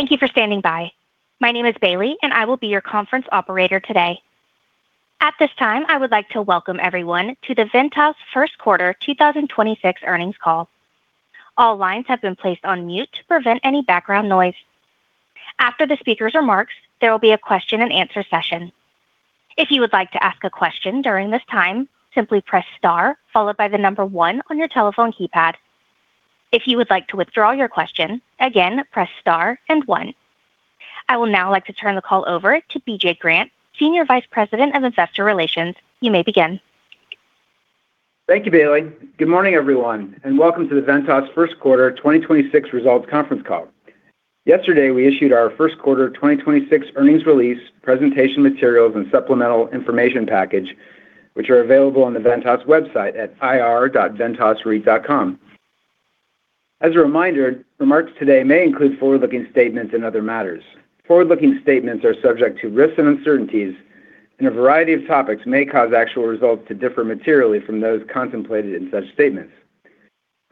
Thank you for standing by. My name is Bailey, and I will be your conference operator today. At this time, I would like to welcome everyone to the Ventas Q1 2026 Earnings Call. All lines have been placed on mute to prevent any background noise. After the speaker's remarks, there will be a Q&A session. If you would like to ask a question during this time, simply press star followed by the number one on your telephone keypad. If you would like to withdraw your question, again, press star and one. I will now like to turn the call over to BJ Grant, Senior Vice President, Investor Relations. You may begin. Thank you, Bailey. Good morning, everyone, and welcome to the Ventas Q1 2026 Results Conference Call. Yesterday, we issued our Q1 2026 earnings release, presentation materials, and supplemental information package, which are available on the Ventas website at ir.ventasreit.com. As a reminder, remarks today may include forward-looking statements in other matters. Forward-looking statements are subject to risks and uncertainties, and a variety of topics may cause actual results to differ materially from those contemplated in such statements.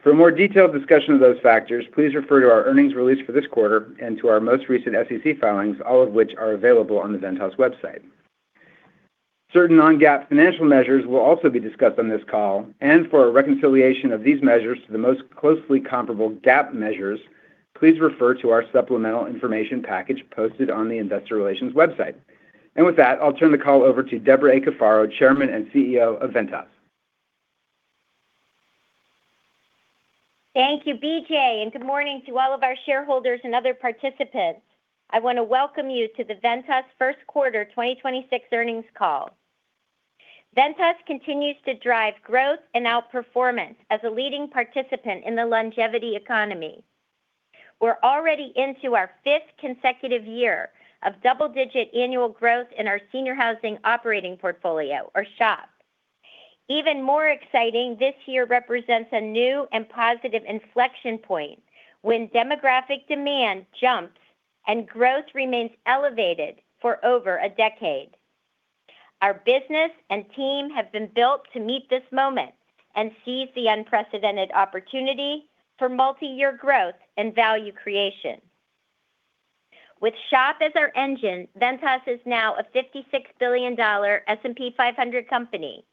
For a more detailed discussion of those factors, please refer to our earnings release for this quarter and to our most recent SEC filings, all of which are available on the Ventas website. Certain non-GAAP financial measures will also be discussed on this call. For a reconciliation of these measures to the most closely comparable GAAP measures, please refer to our supplemental information package posted on the investor relations website. With that, I'll turn the call over to Debra A. Cafaro, Chairman and Chief Executive Officer of Ventas. Thank you, BJ, and good morning to all of our shareholders and other participants. I wanna welcome you to the Ventas Q1 2026 Earnings Call. Ventas continues to drive growth and outperformance as a leading participant in the longevity economy. We're already into our fifth consecutive year of double-digit annual growth in our senior housing operating portfolio, or SHOP. Even more exciting, this year represents a new and positive inflection point when demographic demand jumps and growth remains elevated for over a decade. Our business and team have been built to meet this moment and seize the unprecedented opportunity for multi-year growth and value creation. With SHOP as our engine, Ventas is now a $56 billion S&P 500 company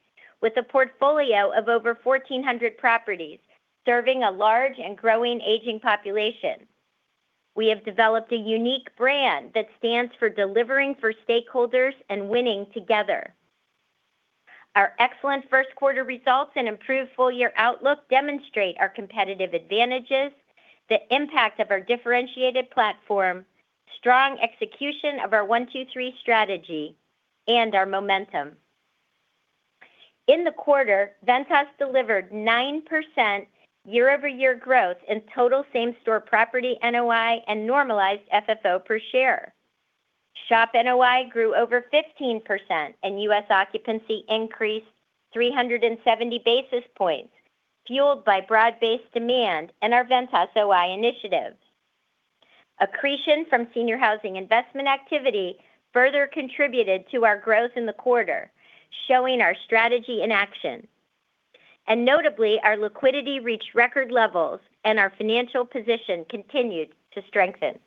with a portfolio of over 1,400 properties, serving a large and growing aging population. We have developed a unique brand that stands for delivering for stakeholders and winning together. Our excellent Q1 results and improved full-year outlook demonstrate our competitive advantages, the impact of our differentiated platform, strong execution of our one, two, three strategy, and our momentum. In the quarter, Ventas delivered 9% year-over-year growth in total same-store property NOI and normalized FFO per share. SHOP NOI grew over 15%, and U.S. occupancy increased 370 basis points, fueled by broad-based demand and our Ventas OI initiatives. Accretion from senior housing investment activity further contributed to our growth in the quarter, showing our strategy in action. Notably, our liquidity reached record levels, and our financial position continued to strengthen.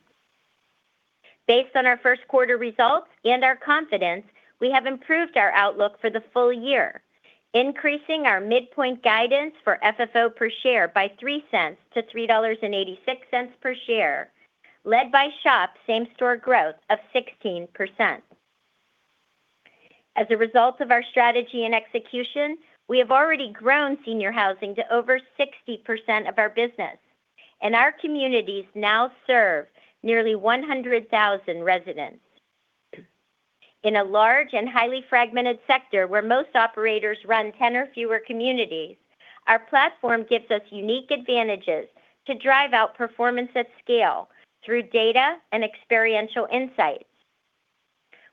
Based on our Q1 results and our confidence, we have improved our outlook for the full year, increasing our midpoint guidance for FFO per share by $0.03-$3.86 per share, led by SHOP same-store growth of 16%. As a result of our strategy and execution, we have already grown senior housing to over 60% of our business, and our communities now serve nearly 100,000 residents. In a large and highly fragmented sector where most operators run 10 or fewer communities, our platform gives us unique advantages to drive out performance at scale through data and experiential insights.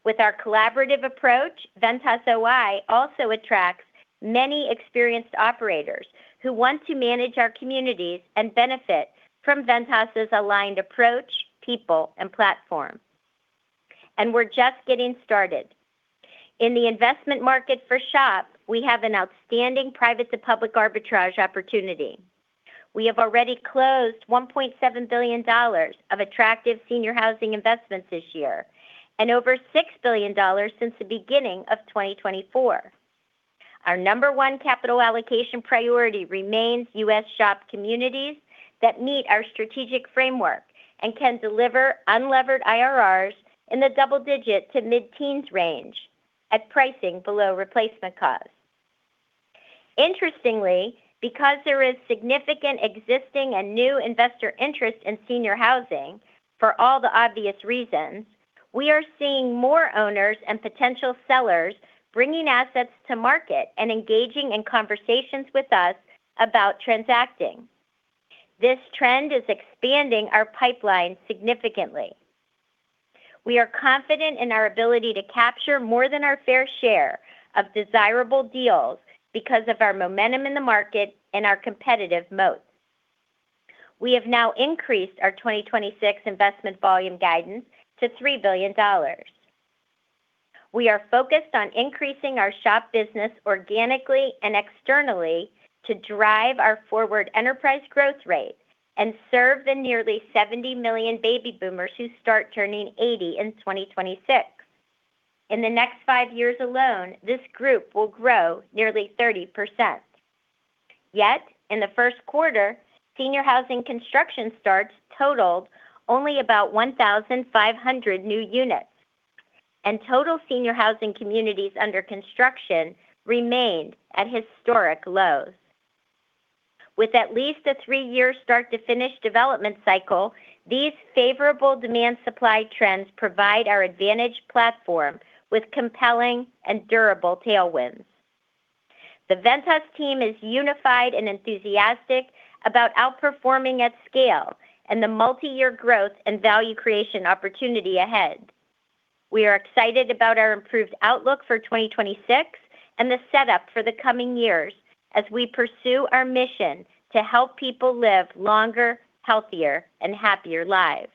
With our collaborative approach, Ventas OI also attracts many experienced operators who want to manage our communities and benefit from Ventas's aligned approach, people, and platform. We're just getting started. In the investment market for SHOP, we have an outstanding private-to-public arbitrage opportunity. We have already closed $1.7 billion of attractive senior housing investments this year and over $6 billion since the beginning of 2024. Our number one capital allocation priority remains U.S. SHOP communities that meet our strategic framework and can deliver unlevered IRRs in the double-digit to mid-teens range at pricing below replacement cost. Interestingly, because there is significant existing and new investor interest in senior housing for all the obvious reasons, we are seeing more owners and potential sellers bringing assets to market and engaging in conversations with us about transacting. This trend is expanding our pipeline significantly. We are confident in our ability to capture more than our fair share of desirable deals because of our momentum in the market and our competitive moat. We have now increased our 2026 investment volume guidance to $3 billion. We are focused on increasing our SHOP business organically and externally to drive our forward enterprise growth rate and serve the nearly 70 million baby boomers who start turning 80 in 2026. In the next five years alone, this group will grow nearly 30%. Yet, in the Q1, senior housing construction starts totaled only about 1,500 new units, and total senior housing communities under construction remained at historic lows. With at least a three-year start-to-finish development cycle, these favorable demand-supply trends provide our advantage platform with compelling and durable tailwinds. The Ventas team is unified and enthusiastic about outperforming at scale and the multi-year growth and value creation opportunity ahead. We are excited about our improved outlook for 2026 and the setup for the coming years as we pursue our mission to help people live longer, healthier, and happier lives.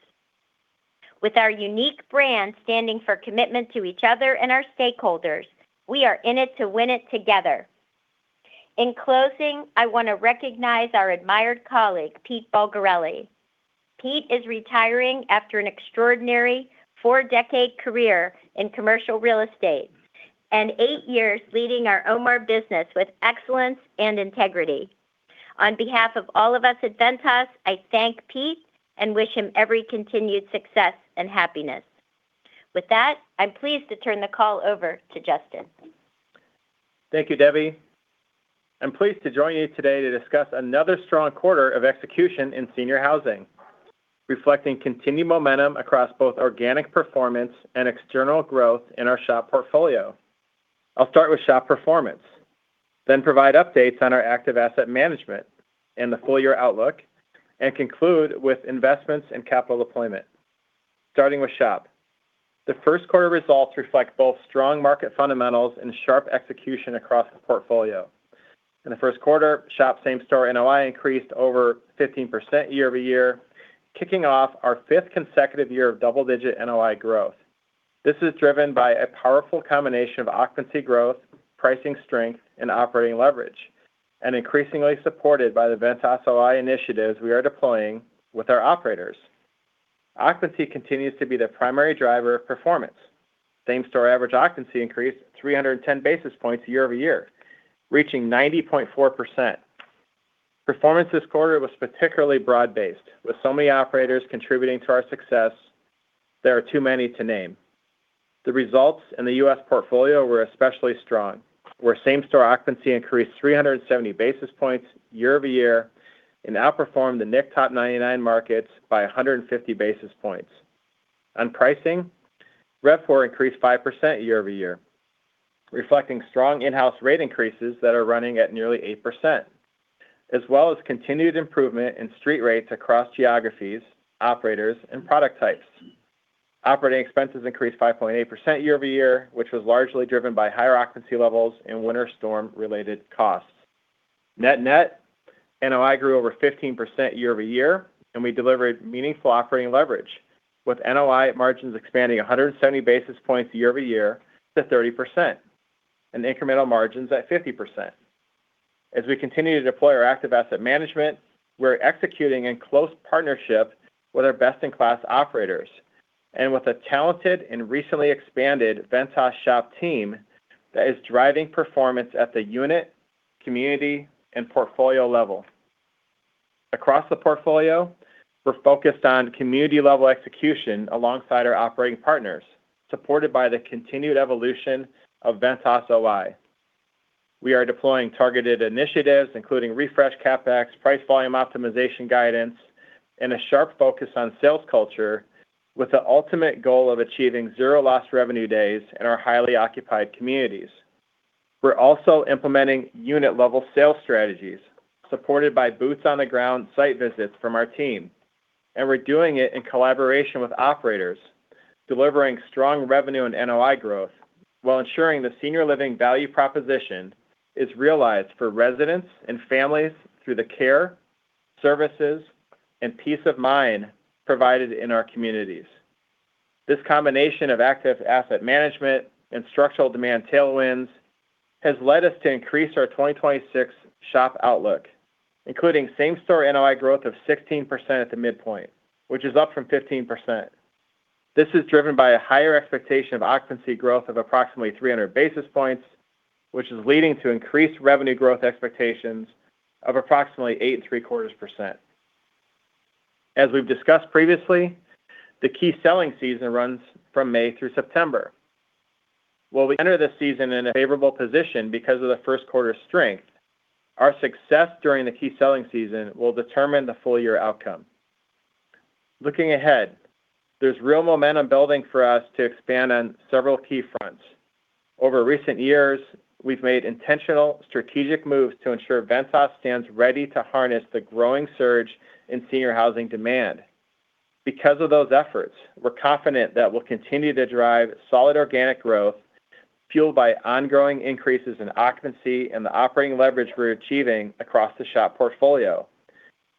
With our unique brand standing for commitment to each other and our stakeholders, we are in it to win it together. In closing, I want to recognize our admired colleague, Pete Bulgarelli. Pete is retiring after an extraordinary four-decade career in commercial real estate and eight years leading our OMAR business with excellence and integrity. On behalf of all of us at Ventas, I thank Pete and wish him every continued success and happiness. With that, I'm pleased to turn the call over to Justin. Thank you, Debbie. I'm pleased to join you today to discuss another strong quarter of execution in senior housing, reflecting continued momentum across both organic performance and external growth in our SHOP portfolio. I'll start with SHOP performance, provide updates on our active asset management and the full year outlook, and conclude with investments and capital deployment. Starting with SHOP. The Q1 results reflect both strong market fundamentals and sharp execution across the portfolio. In the Q1, SHOP same-store NOI increased over 15% year-over-year, kicking off our fifth consecutive year of double-digit NOI growth. This is driven by a powerful combination of occupancy growth, pricing strength, and operating leverage, and increasingly supported by the Ventas OI initiatives we are deploying with our operators. Occupancy continues to be the primary driver of performance. Same-store average occupancy increased 310 basis points year-over-year, reaching 90.4%. Performance this quarter was particularly broad-based, with so many operators contributing to our success, there are too many to name. The results in the U.S. portfolio were especially strong. Where same-store occupancy increased 370 basis points year-over-year and outperformed the NIC top 99 markets by 150 basis points. On pricing, RevPOR increased 5% year-over-year, reflecting strong in-house rate increases that are running at nearly 8%, as well as continued improvement in street rates across geographies, operators, and product types. Operating expenses increased 5.8% year-over-year, which was largely driven by higher occupancy levels and winter storm-related costs. Net net NOI grew over 15% year-over-year. We delivered meaningful operating leverage with NOI margins expanding 170 basis points year-over-year to 30% and incremental margins at 50%. As we continue to deploy our active asset management, we're executing in close partnership with our best-in-class operators and with a talented and recently expanded Ventas SHOP team that is driving performance at the unit, community, and portfolio level. Across the portfolio, we're focused on community-level execution alongside our operating partners, supported by the continued evolution of Ventas OI. We are deploying targeted initiatives, including refresh CapEx, price-volume optimization guidance, and a sharp focus on sales culture with the ultimate goal of achieving zero lost revenue days in our highly occupied communities. We're also implementing unit-level sales strategies supported by boots on the ground site visits from our team, and we're doing it in collaboration with operators, delivering strong revenue and NOI growth while ensuring the senior living value proposition is realized for residents and families through the care, services, and peace of mind provided in our communities. This combination of active asset management and structural demand tailwinds has led us to increase our 2026 SHOP outlook, including same-store NOI growth of 16% at the midpoint, which is up from 15%. This is driven by a higher expectation of occupancy growth of approximately 300 basis points, which is leading to increased revenue growth expectations of approximately 8.75%. As we've discussed previously, the key selling season runs from May through September. While we enter the season in a favorable position because of the Q1 strength, our success during the key selling season will determine the full year outcome. Looking ahead, there's real momentum building for us to expand on several key fronts. Over recent years, we've made intentional strategic moves to ensure Ventas stands ready to harness the growing surge in senior housing demand. Because of those efforts, we're confident that we'll continue to drive solid organic growth fueled by ongoing increases in occupancy and the operating leverage we're achieving across the SHOP portfolio.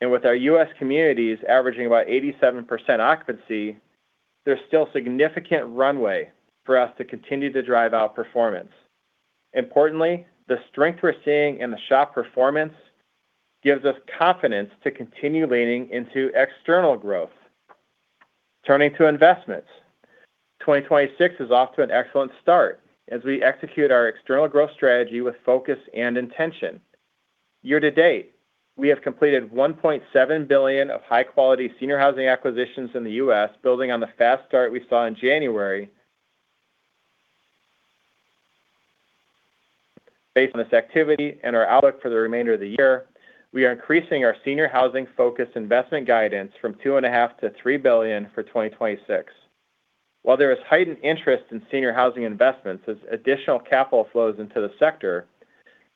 With our U.S. communities averaging about 87% occupancy, there's still significant runway for us to continue to drive out performance. Importantly, the strength we're seeing in the SHOP performance gives us confidence to continue leaning into external growth. Turning to investments. 2026 is off to an excellent start as we execute our external growth strategy with focus and intention. Year to date, we have completed $1.7 billion of high-quality senior housing acquisitions in the U.S., building on the fast start we saw in January. Based on this activity and our outlook for the remainder of the year, we are increasing our senior housing focused investment guidance from $2.5 billion-$3 billion for 2026. While there is heightened interest in senior housing investments as additional capital flows into the sector,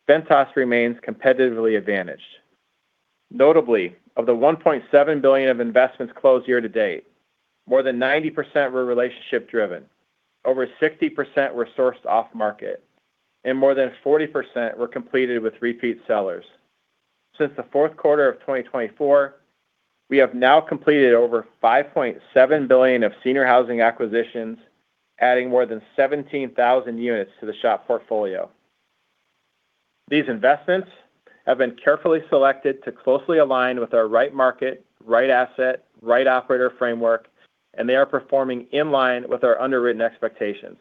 Ventas remains competitively advantaged. Notably, of the $1.7 billion of investments closed year to date, more than 90% were relationship driven, over 60% were sourced off market, and more than 40% were completed with repeat sellers. Since the Q4 of 2024, we have now completed over $5.7 billion of senior housing acquisitions, adding more than 17,000 units to the SHOP portfolio. These investments have been carefully selected to closely align with our right market, right asset, right operator framework, and they are performing in line with our underwritten expectations.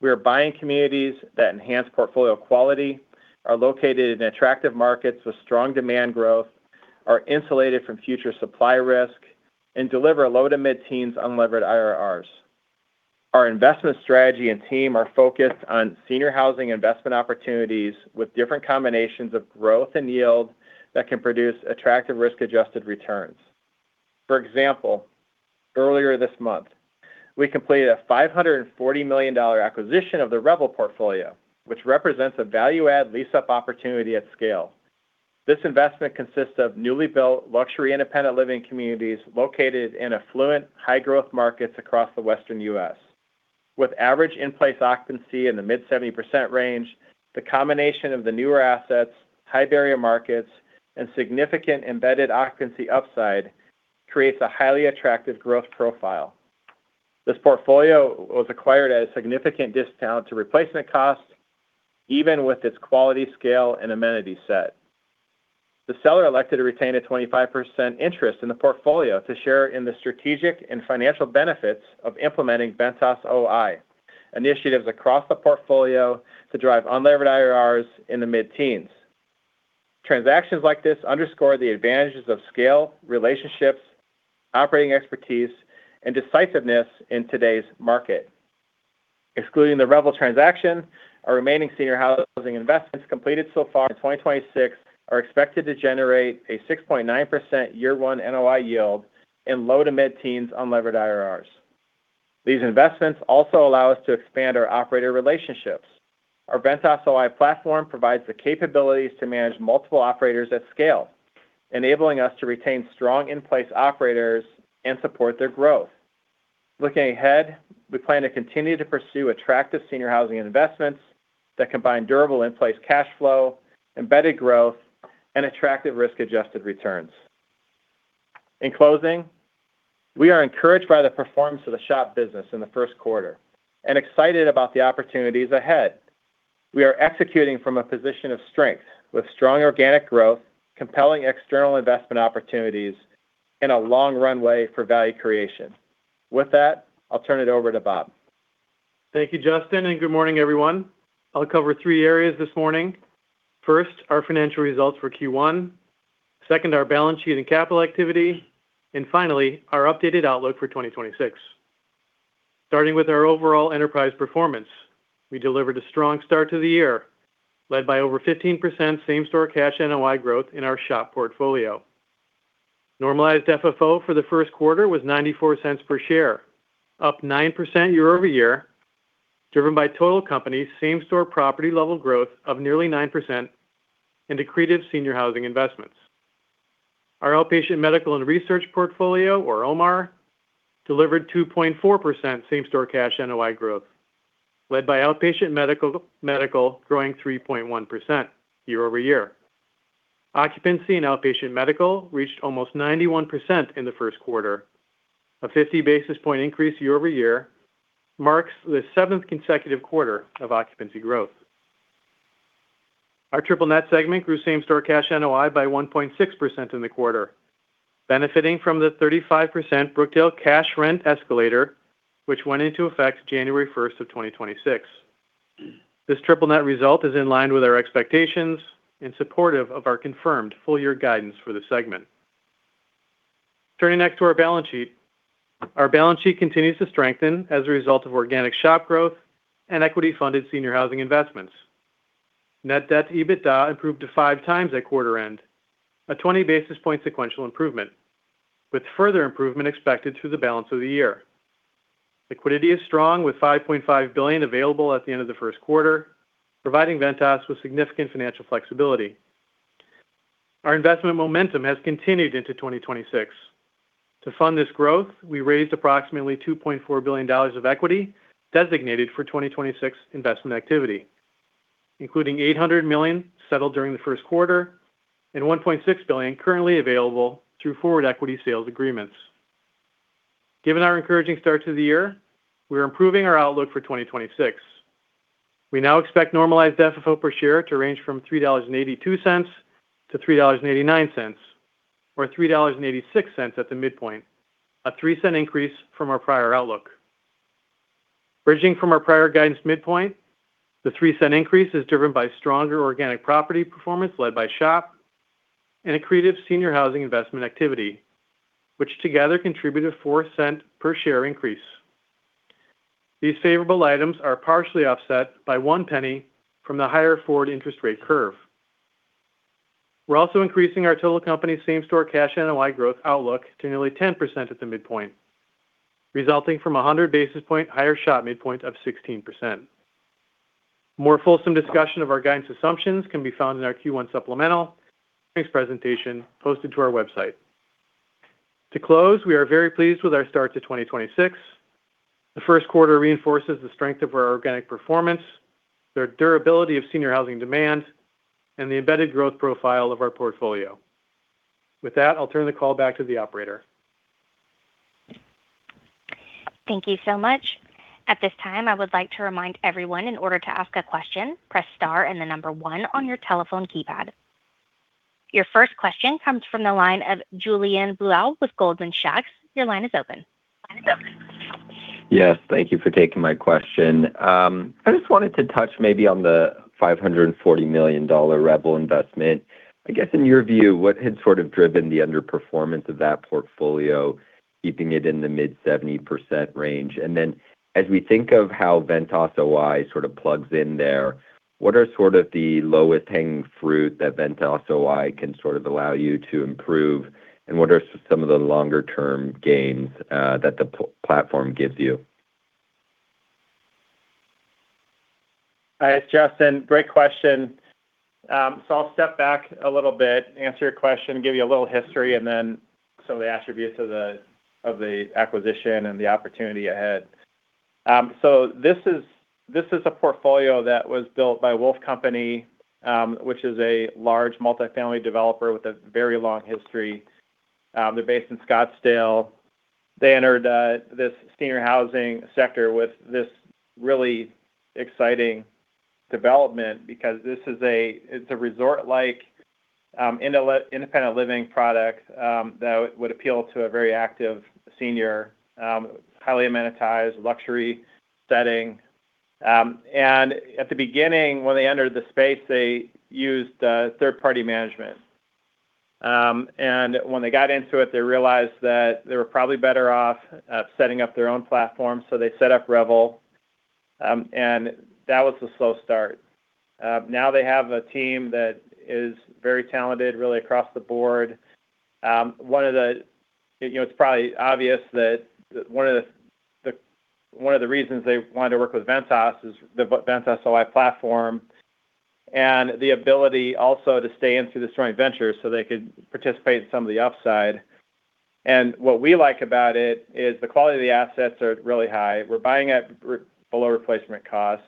We are buying communities that enhance portfolio quality, are located in attractive markets with strong demand growth, are insulated from future supply risk, and deliver low to mid-teens unlevered IRRs. Our investment strategy and team are focused on senior housing investment opportunities with different combinations of growth and yield that can produce attractive risk-adjusted returns. For example, earlier this month, we completed a $540 million acquisition of the Revel portfolio, which represents a value add lease up opportunity at scale. This investment consists of newly built luxury independent living communities located in affluent high growth markets across the Western U.S. With average in-place occupancy in the mid 70% range, the combination of the newer assets, high barrier markets, and significant embedded occupancy upside creates a highly attractive growth profile. This portfolio was acquired at a significant discount to replacement costs, even with its quality scale and amenity set. The seller elected to retain a 25% interest in the portfolio to share in the strategic and financial benefits of implementing Ventas OI initiatives across the portfolio to drive unlevered IRRs in the mid-teens. Transactions like this underscore the advantages of scale, relationships, operating expertise, and decisiveness in today's market. Excluding the Revel transaction, our remaining senior housing investments completed so far in 2026 are expected to generate a 6.9% year one NOI yield and low to mid-teens unlevered IRRs. These investments also allow us to expand our operator relationships. Our Ventas OI platform provides the capabilities to manage multiple operators at scale, enabling us to retain strong in-place operators and support their growth. Looking ahead, we plan to continue to pursue attractive senior housing investments that combine durable in-place cash flow, embedded growth, and attractive risk-adjusted returns. In closing, we are encouraged by the performance of the SHOP business in the Q1 and excited about the opportunities ahead. We are executing from a position of strength with strong organic growth, compelling external investment opportunities, and a long runway for value creation. With that, I'll turn it over to Bob. Thank you, Justin, good morning, everyone. I'll cover three areas this morning. First, our financial results for Q1. Second, our balance sheet and capital activity. Finally, our updated outlook for 2026. Starting with our overall enterprise performance, we delivered a strong start to the year, led by over 15% same-store cash NOI growth in our SHOP portfolio. Normalized FFO for the Q1 was $0.94 per share, up 9% year-over-year, driven by total company same-store property level growth of nearly 9% and accretive senior housing investments. Our outpatient medical and research portfolio, or OMAR, delivered 2.4% same-store cash NOI growth, led by outpatient medical growing 3.1% year-over-year. Occupancy in outpatient medical reached almost 91% in the Q1. A 50 basis point increase year-over-year marks the 7th consecutive quarter of occupancy growth. Our triple net segment grew same-store cash NOI by 1.6% in the quarter, benefiting from the 35% Brookdale cash rent escalator, which went into effect January 1, 2026. This triple net result is in line with our expectations and supportive of our confirmed full year guidance for the segment. Turning next to our balance sheet. Our balance sheet continues to strengthen as a result of organic SHOP growth and equity funded senior housing investments. Net debt to EBITDA improved to 5x at quarter end, a 20 basis point sequential improvement, with further improvement expected through the balance of the year. Liquidity is strong with $5.5 billion available at the end of the Q1, providing Ventas with significant financial flexibility. Our investment momentum has continued into 2026. To fund this growth, we raised approximately $2.4 billion of equity designated for 2026 investment activity. Including $800 million settled during the Q1 and $1.6 billion currently available through forward equity sales agreements. Given our encouraging start to the year, we are improving our outlook for 2026. We now expect normalized FFO per share to range from $3.82-$3.89, or $3.86 at the midpoint, a $0.03 increase from our prior outlook. Bridging from our prior guidance midpoint, the $0.03 increase is driven by stronger organic property performance led by SHOP and accretive senior housing investment activity, which together contribute a $0.04 per share increase. These favorable items are partially offset by $0.01 from the higher forward interest rate curve. We're also increasing our total company same store cash NOI growth outlook to nearly 10% at the midpoint, resulting from a 100 basis points higher SHOP midpoint of 16%. More fulsome discussion of our guidance assumptions can be found in our Q1 supplemental earnings presentation posted to our website. To close, we are very pleased with our start to 2026. The Q1 reinforces the strength of our organic performance, the durability of senior housing demand, and the embedded growth profile of our portfolio. With that, I'll turn the call back to the operator. Thank you so much. At this time, I would like to remind everyone in order to ask a question, press star and the one on your telephone keypad. Your first question comes from the line of Julien Blouin with Goldman Sachs. Your line is open. Yes. Thank you for taking my question. I just wanted to touch maybe on the $540 million Revel investment. I guess in your view, what had sort of driven the underperformance of that portfolio, keeping it in the mid 70% range? As we think of how Ventas OI sort of plugs in there, what are sort of the lowest hanging fruit that Ventas OI can sort of allow you to improve, and what are some of the longer term gains that the platform gives you? Hi, Justin. Great question. I'll step back a little bit, answer your question, give you a little history, and then some of the attributes of the acquisition and the opportunity ahead. This is a portfolio that was built by Wolff Company, which is a large multifamily developer with a very long history. They're based in Scottsdale. They entered this senior housing sector with this really exciting development because this is a, it's a resort-like independent living product that would appeal to a very active senior, highly amenitized luxury setting. At the beginning, when they entered the space, they used third-party management. When they got into it, they realized that they were probably better off setting up their own platform. They set up Revel, and that was a slow start. Now they have a team that is very talented really across the board. You know, it's probably obvious that one of the reasons they wanted to work with Ventas is the Ventas OI platform and the ability also to stay in through the joint venture so they could participate in some of the upside. What we like about it is the quality of the assets are really high. We're buying at below replacement cost.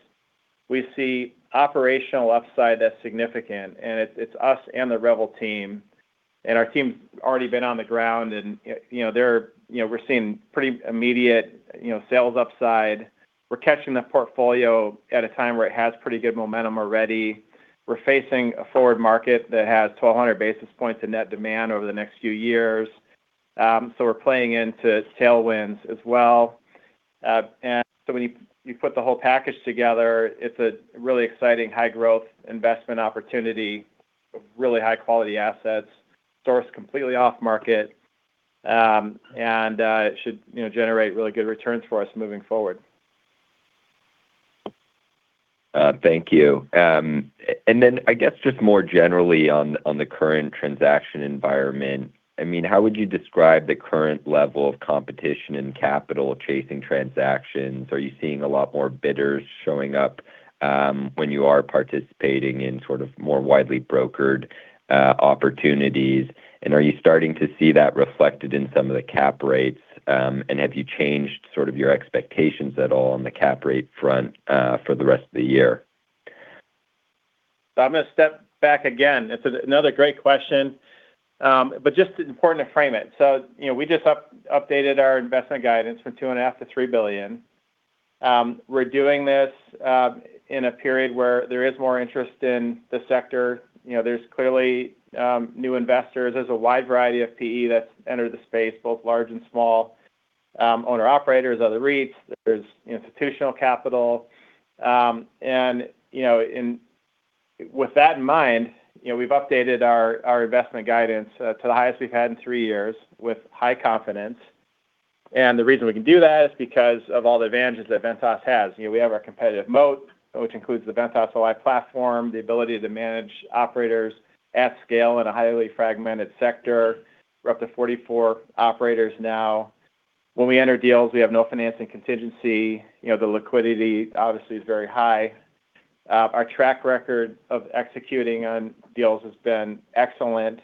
We see operational upside that's significant, and it's us and the Revel team. Our team's already been on the ground, you know, we're seeing pretty immediate, you know, sales upside. We're catching the portfolio at a time where it has pretty good momentum already. We're facing a forward market that has 1,200 basis points in net demand over the next few years. We're playing into tailwinds as well. When you put the whole package together, it's a really exciting high growth investment opportunity of really high quality assets, sourced completely off market, it should, you know, generate really good returns for us moving forward. Thank you. Then I guess just more generally on the current transaction environment, I mean, how would you describe the current level of competition in capital chasing transactions? Are you seeing a lot more bidders showing up when you are participating in sort of more widely brokered opportunities? Are you starting to see that reflected in some of the cap rates, and have you changed sort of your expectations at all on the cap rate front for the rest of the year? I'm gonna step back again. It's another great question, but just important to frame it. You know, we just updated our investment guidance from two and a half to $3 billion. We're doing this in a period where there is more interest in the sector. You know, there's clearly new investors. There's a wide variety of PE that's entered the space, both large and small, owner-operators, other REITs. There's institutional capital. You know, and with that in mind, you know, we've updated our investment guidance to the highest we've had in three years with high confidence. The reason we can do that is because of all the advantages that Ventas has. You know, we have our competitive moat, which includes the Ventas OI platform, the ability to manage operators at scale in a highly fragmented sector. We're up to 44 operators now. When we enter deals, we have no financing contingency. You know, the liquidity obviously is very high. Our track record of executing on deals has been excellent.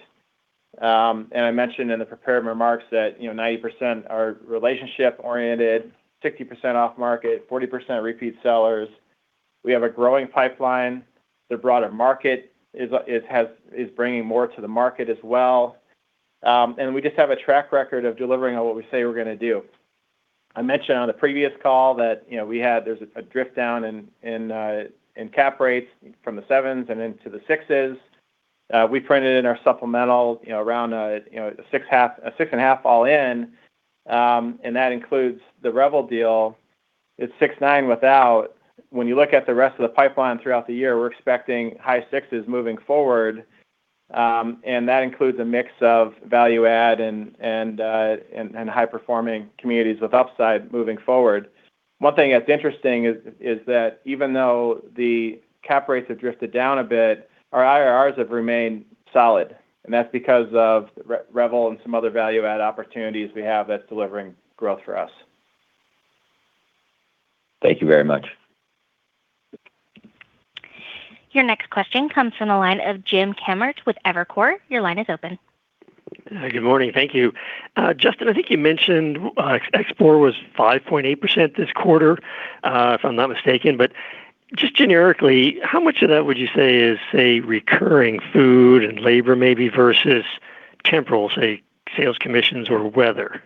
I mentioned in the prepared remarks that, you know, 90% are relationship-oriented, 60% off market, 40% are repeat sellers. We have a growing pipeline. The broader market is bringing more to the market as well. We just have a track record of delivering on what we say we're gonna do. I mentioned on the previous call that, you know, there's a drift down in cap rates from the 7% and into the 6%. We printed in our supplemental, you know, around, you know, 6.5% all in, and that includes the Revel deal. It's 6.9% without. When you look at the rest of the pipeline throughout the year, we're expecting high 6% moving forward, and that includes a mix of value add and high-performing communities with upside moving forward. One thing that's interesting is that even though the Cap rates have drifted down a bit, our IRRs have remained solid. That's because of Revel and some other value add opportunities we have that's delivering growth for us. Thank you very much. Your next question comes from the line of James Kammert with Evercore. Your line is open. Good morning. Thank you. Justin, I think you mentioned, ex-export was 5.8% this quarter, if I'm not mistaken. Just generically, how much of that would you say is, say, recurring food and labor maybe, versus temporal, say, sales commissions or weather?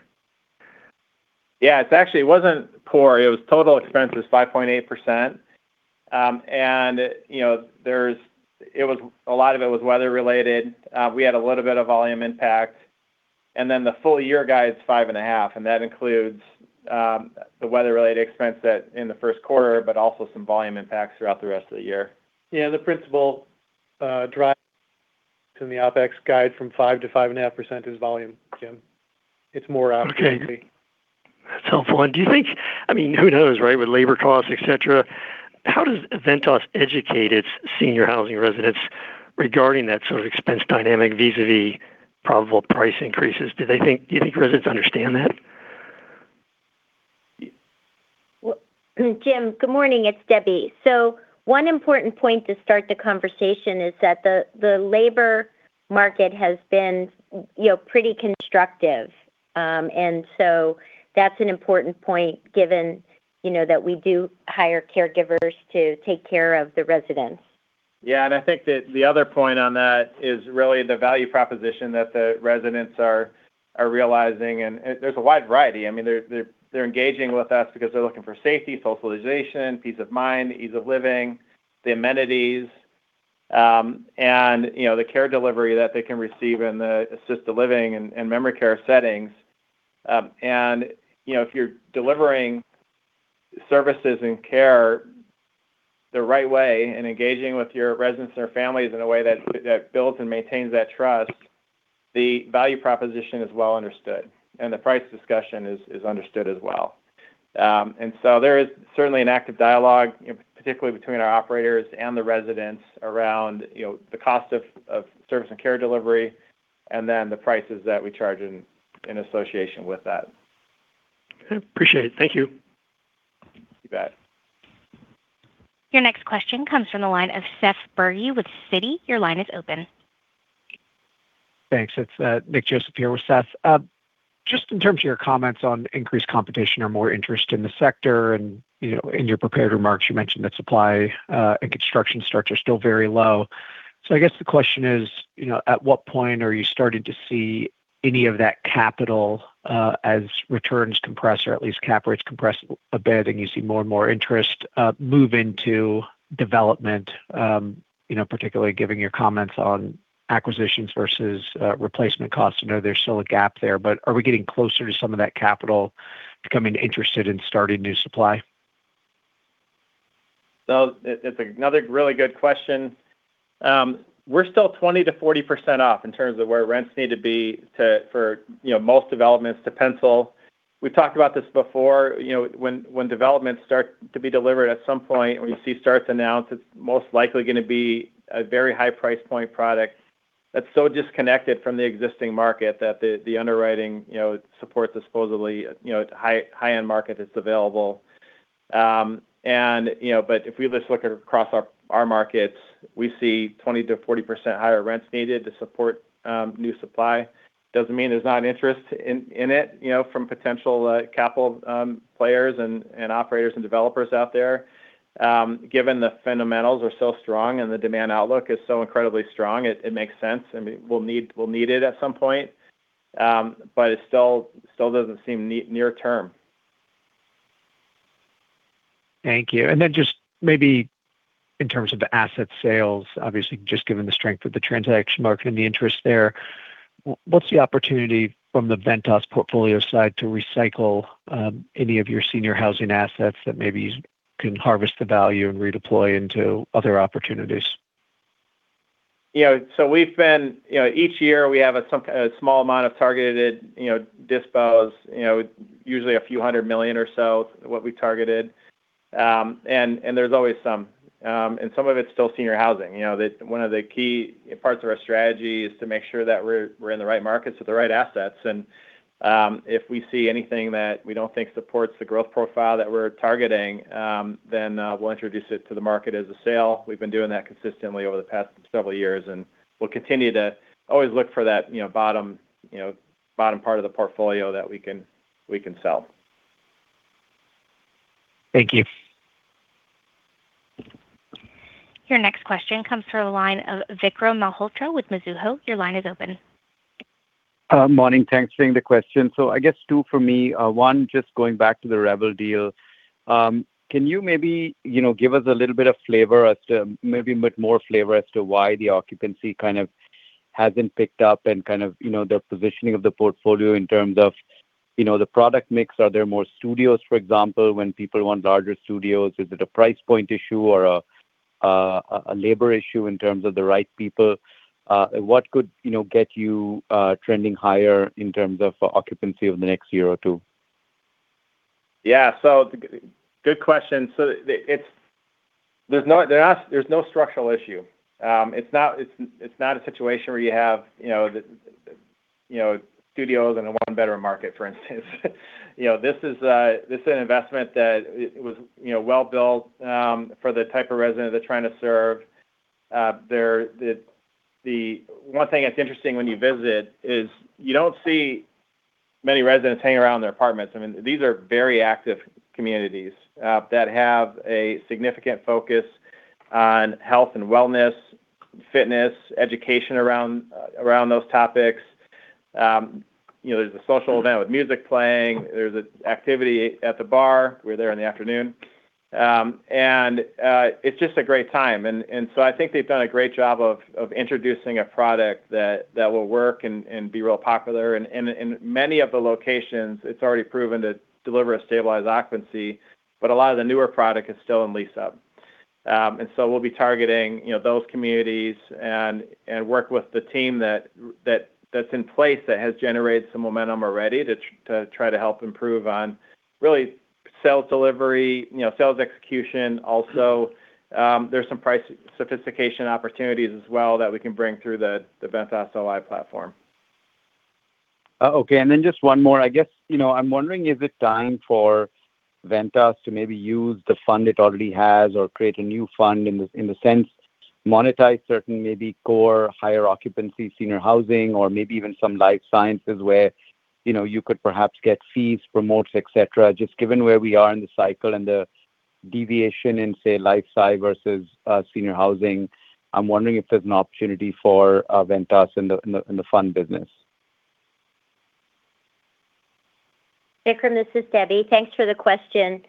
Yeah, it's actually, it wasn't poor. It was total expenses, 5.8%. You know, it was a lot of it was weather-related. We had a little bit of volume impact. The full-year guide is 5.5%, that includes the weather-related expense that in the Q1, but also some volume impacts throughout the rest of the year. Yeah, the principal, drive to the OpEx guide from 5% to 5.5% is volume, Jim. Okay. That's helpful. I mean, who knows, right, with labor costs, et cetera? How does Ventas educate its senior housing residents regarding that sort of expense dynamic vis-à-vis probable price increases? Do you think residents understand that? Well, Jim, good morning. It's Debbie. One important point to start the conversation is that the labor market has been, you know, pretty constructive. That's an important point given, you know, that we do hire caregivers to take care of the residents. I think that the other point on that is really the value proposition that the residents are realizing, and there's a wide variety. I mean, they're engaging with us because they're looking for safety, socialization, peace of mind, ease of living, the amenities, and, you know, the care delivery that they can receive in the assisted living and memory care settings. If you're delivering services and care the right way and engaging with your residents and their families in a way that builds and maintains that trust, the value proposition is well understood, and the price discussion is understood as well. There is certainly an active dialogue, particularly between our operators and the residents around, you know, the cost of service and care delivery, and then the prices that we charge in association with that. Appreciate it. Thank you. You bet. Your next question comes from the line of Seth Bergey with Citi. Your line is open. Thanks. It's Nick Joseph here with Seth Bergey. Just in terms of your comments on increased competition or more interest in the sector, and, you know, in your prepared remarks, you mentioned that supply and construction starts are still very low. I guess the question is, you know, at what point are you starting to see any of that capital as returns compress or at least cap rates compress a bit, and you see more and more interest move into development, you know, particularly giving your comments on acquisitions versus replacement costs? I know there's still a gap there, but are we getting closer to some of that capital becoming interested in starting new supply? It's another really good question. We're still 20%-40% off in terms of where rents need to be for, you know, most developments to pencil. We've talked about this before. You know, when developments start to be delivered at some point, when you see starts announced, it's most likely gonna be a very high price point product that's so disconnected from the existing market that the underwriting, you know, supports the supposedly, you know, high-end market that's available. You know, if we just look across our markets, we see 20%-40% higher rents needed to support new supply. Doesn't mean there's not interest in it, you know, from potential capital players and operators and developers out there. Given the fundamentals are so strong and the demand outlook is so incredibly strong, it makes sense, and we'll need it at some point. It still doesn't seem near term. Thank you. Just maybe in terms of the asset sales, obviously, just given the strength of the transaction market and the interest there, what's the opportunity from the Ventas portfolio side to recycle any of your senior housing assets that maybe you can harvest the value and redeploy into other opportunities? You know, each year we have a small amount of targeted, you know, dispos, you know, usually a few hundred million or so what we targeted. And there's always some, and some of it's still senior housing. You know, one of the key parts of our strategy is to make sure that we're in the right markets with the right assets. You know, if we see anything that we don't think supports the growth profile that we're targeting, then we'll introduce it to the market as a sale. We've been doing that consistently over the past several years, and we'll continue to always look for that, you know, bottom part of the portfolio that we can sell. Thank you. Your next question comes from the line of Vikram Malhotra with Mizuho. Your line is open. Morning. Thanks for taking the question. I guess two for me. One, just going back to the Revel deal. Can you maybe, you know, give us a little bit of flavor as to maybe a bit more flavor as to why the occupancy kind of hasn't picked up and kind of, you know, the positioning of the portfolio in terms of, you know, the product mix. Are there more studios, for example, when people want larger studios? Is it a price point issue or a labor issue in terms of the right people? What could, you know, get you trending higher in terms of occupancy over the next year or two? Yeah. Good question. The, there's no structural issue. It's not a situation where you have, you know, the studios in a one-bedroom market, for instance. You know, this is an investment that it was, you know, well built for the type of resident they're trying to serve. The one thing that's interesting when you visit is you don't see many residents hanging around their apartments. I mean, these are very active communities that have a significant focus on health and wellness, fitness, education around those topics. You know, there's a social event with music playing. There's a activity at the bar. We were there in the afternoon. It's just a great time. I think they've done a great job of introducing a product that will work and be real popular. In many of the locations, it's already proven to deliver a stabilized occupancy, but a lot of the newer product is still in lease-up. We'll be targeting, you know, those communities and work with the team that's in place that has generated some momentum already to try to help improve on really sales delivery, you know, sales execution. Also, there's some price sophistication opportunities as well that we can bring through the Ventas OI platform. Okay. Just one more. I guess, you know, I'm wondering, is it time for Ventas to maybe use the fund it already has or create a new fund, in the sense monetize certain maybe core higher occupancy senior housing or maybe even some life sciences where, you know, you could perhaps get fees from malls, et cetera. Just given where we are in the cycle and the deviation in, say, life sci versus senior housing, I'm wondering if there's an opportunity for Ventas in the fund business. Vikram, this is Debbie. Thanks for the question.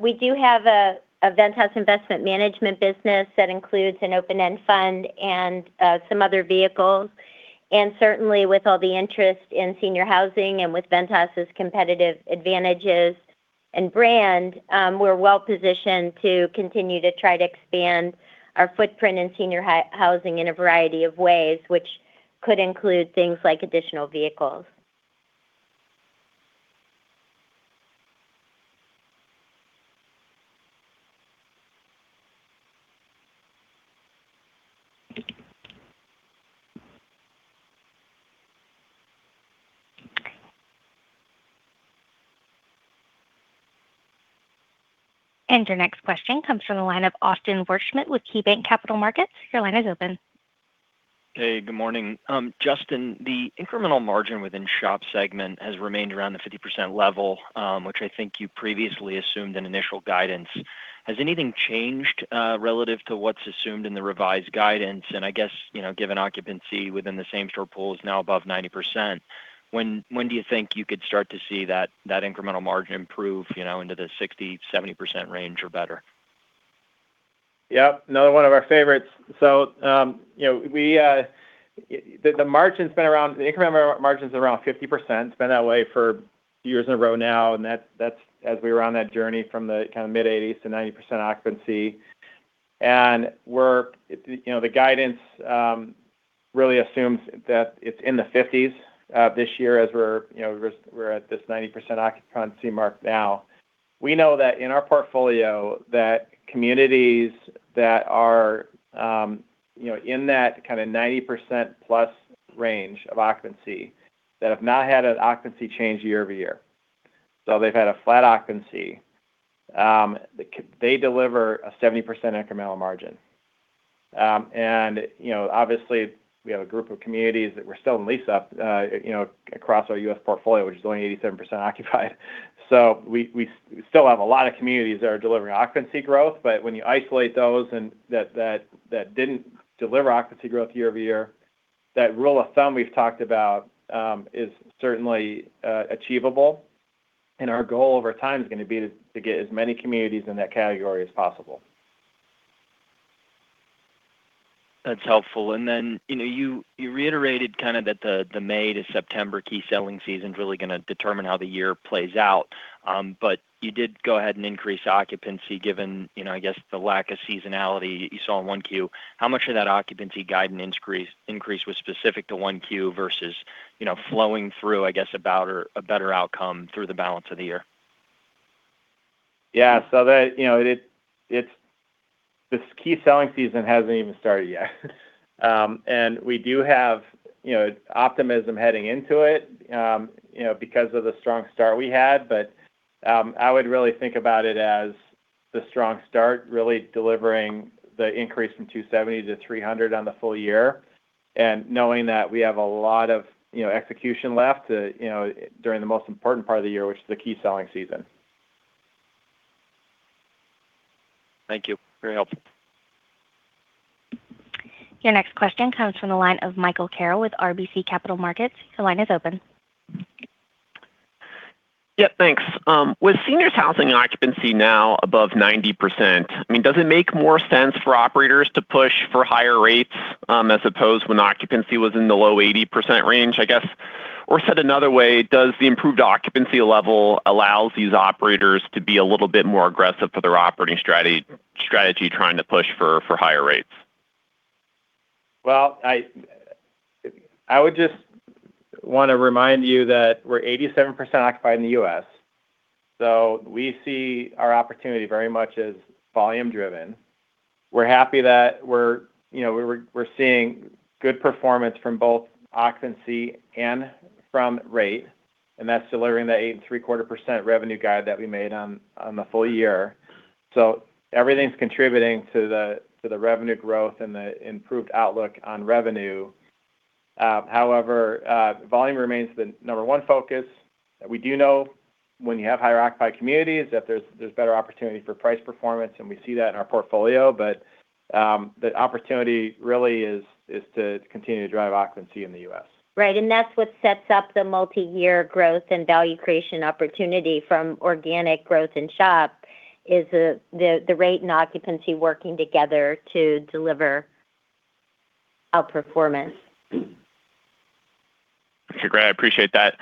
We do have a Ventas Investment Management business that includes an open-end fund and some other vehicles. Certainly with all the interest in senior housing and with Ventas' competitive advantages and brand, we're well positioned to continue to try to expand our footprint in senior housing in a variety of ways, which could include things like additional vehicles. Your next question comes from the line of Austin Wurschmidt with KeyBanc Capital Markets. Your line is open. Hey, good morning. Justin, the incremental margin within SHOP segment has remained around the 50% level, which I think you previously assumed in initial guidance. Has anything changed relative to what's assumed in the revised guidance? I guess, you know, given occupancy within the same-store pool is now above 90%, when do you think you could start to see that incremental margin improve, you know, into the 60%, 70% range or better? Yep. Another one of our favorites. The incremental margin's around 50%. It's been that way for years in a row now, and that's as we were on that journey from the kind of mid-80s to 90% occupancy. The guidance really assumes that it's in the 1950s this year as we're at this 90% occupancy mark now. We know that in our portfolio, that communities that are in that kind of 90% plus range of occupancy that have not had an occupancy change year-over-year. They've had a flat occupancy. They deliver a 70% incremental margin. You know, obviously we have a group of communities that we're still in lease up, you know, across our U.S. portfolio, which is only 87% occupied. We still have a lot of communities that are delivering occupancy growth. When you isolate those and that didn't deliver occupancy growth year over year, that rule of thumb we've talked about is certainly achievable. Our goal over time is gonna be to get as many communities in that category as possible. That's helpful. You know, you reiterated that the May to September key selling season's really gonna determine how the year plays out. You did go ahead and increase occupancy given, you know, I guess, the lack of seasonality you saw in 1Q. How much of that occupancy guidance increase was specific to 1Q versus, you know, flowing through, I guess, a better outcome through the balance of the year? Yeah. The, you know, the key selling season hasn't even started yet. We do have, you know, optimism heading into it, you know, because of the strong start we had. I would really think about it as the strong start really delivering the increase from $2.70-$3.00 on the full year, knowing that we have a lot of, you know, execution left to, you know, during the most important part of the year, which is the key selling season. Thank you. Very helpful. Your next question comes from the line of Michael Carroll with RBC Capital Markets. Your line is open. Yeah, thanks. With seniors housing occupancy now above 90%, I mean, does it make more sense for operators to push for higher rates, as opposed when occupancy was in the low 80% range, I guess? Said another way, does the improved occupancy level allows these operators to be a little bit more aggressive with their operating strategy trying to push for higher rates? Well, I would just wanna remind you that we're 87% occupied in the U.S. We see our opportunity very much as volume driven. We're happy that we're, you know, we're seeing good performance from both occupancy and from rate, and that's delivering that 8.75% revenue guide that we made on the full year. Everything's contributing to the revenue growth and the improved outlook on revenue. However, volume remains the number one focus. We do know when you have higher occupied communities that there's better opportunity for price performance, and we see that in our portfolio. The opportunity really is to continue to drive occupancy in the U.S. Right. That's what sets up the multiyear growth and value creation opportunity from organic growth in SHOP is the rate and occupancy working together to deliver outperformance. Okay, great. I appreciate that.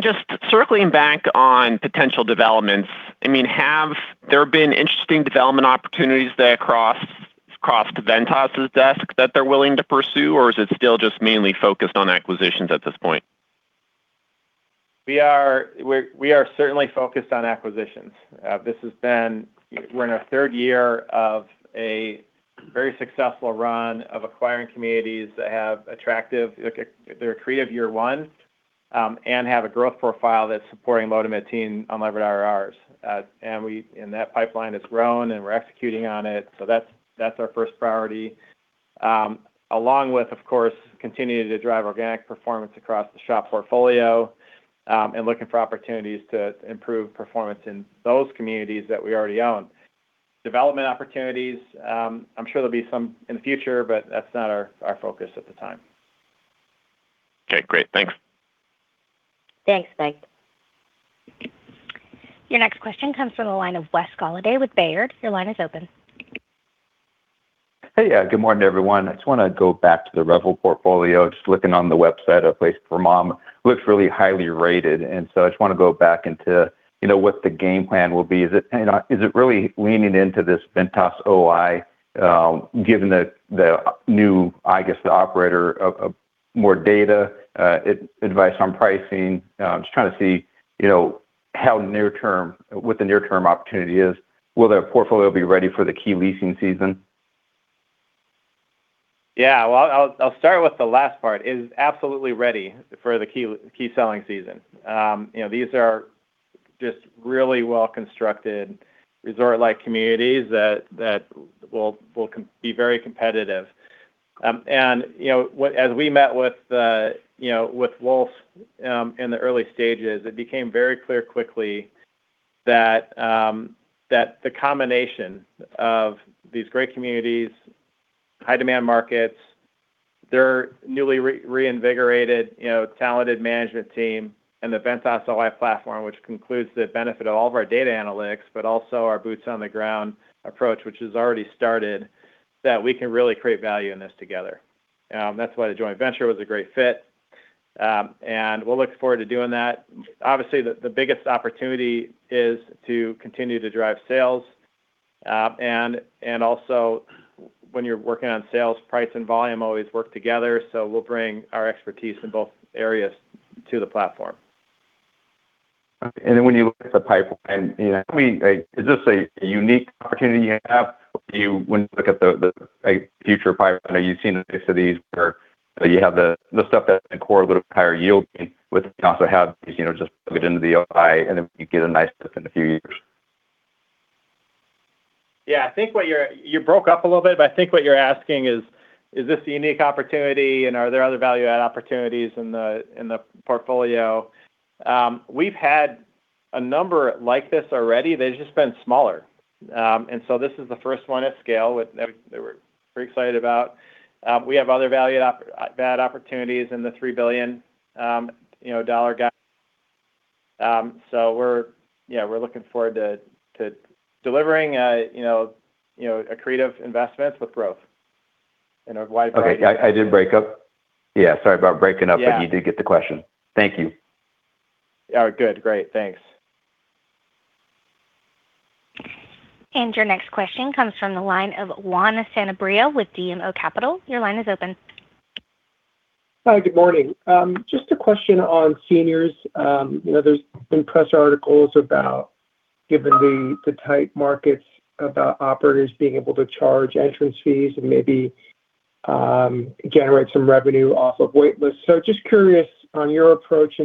Just circling back on potential developments. I mean, have there been interesting development opportunities that crossed Ventas' desk that they're willing to pursue, or is it still just mainly focused on acquisitions at this point? We are certainly focused on acquisitions. We're in our third year of a very successful run of acquiring communities that have attractive, like, they're accretive year one, and have a growth profile that's supporting low-to-mid teen unlevered IRRs. That pipeline has grown, and we're executing on it. That's our first priority, along with, of course, continuing to drive organic performance across the SHOP portfolio, and looking for opportunities to improve performance in those communities that we already own. Development opportunities, I'm sure there'll be some in the future, but that's not our focus at the time. Okay, great. Thanks. Thanks, Mike. Your next question comes from the line of Wesley Golladay with Baird. Your line is open. Hey. Good morning, everyone. I just wanna go back to the Revel portfolio. Just looking on the website, A Place for Mom looks really highly rated. So I just wanna go back into, you know, what the game plan will be. Is it, you know, is it really leaning into this Ventas OI given the new, I guess, the operator of more data advice on pricing? I'm just trying to see, you know, what the near-term opportunity is. Will their portfolio be ready for the key leasing season? Yeah. Well, I'll start with the last part. It is absolutely ready for the key selling season. You know, these are just really well-constructed resort-like communities that will be very competitive. You know, as we met with the, you know, with Wolff, in the early stages, it became very clear quickly that the combination of these great communities, high demand markets, their newly reinvigorated, you know, talented management team, and the Ventas OI platform, which includes the benefit of all of our data analytics, but also our boots on the ground approach, which has already started, that we can really create value in this together. That's why the joint venture was a great fit. We'll look forward to doing that. Obviously, the biggest opportunity is to continue to drive sales. Also when you're working on sales, price and volume always work together. We'll bring our expertise in both areas to the platform. Okay. Then when you look at the pipeline, you know, I mean, is this a unique opportunity you have when you look at the, like, future pipeline? Are you seeing any cities where, you know, you have the stuff that's core, a little bit higher yielding, but you can also have these, you know, just plug it into the OI, and then you get a nice dip in a few years? Yeah. You broke up a little bit, but I think what you're asking is this a unique opportunity, and are there other value add opportunities in the portfolio? We've had a number like this already. They've just been smaller. This is the first one at scale that we're pretty excited about. We have other value add opportunities in the $3 billion guide. We're looking forward to delivering accretive investments with growth in a wide variety- Okay. I did break up. Yeah, sorry about breaking up. Yeah. You did get the question. Thank you. All right. Good. Great. Thanks. Your next question comes from the line of Juan Sanabria with BMO Capital Markets. Your line is open. Hi, good morning. Just a question on seniors. You know, there's been press articles about given the tight markets about operators being able to charge entrance fees and maybe generate some revenue off of waitlists. Just curious on your approach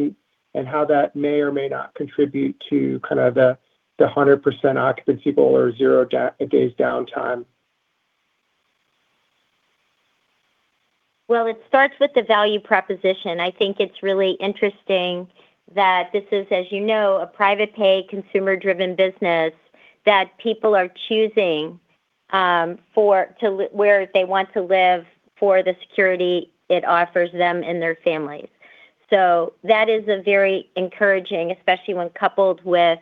and how that may or may not contribute to kind of the 100% occupancy goal or zero days downtime. Well, it starts with the value proposition. I think it's really interesting that this is, as you know, a private pay consumer-driven business that people are choosing where they want to live for the security it offers them and their families. That is a very encouraging, especially when coupled with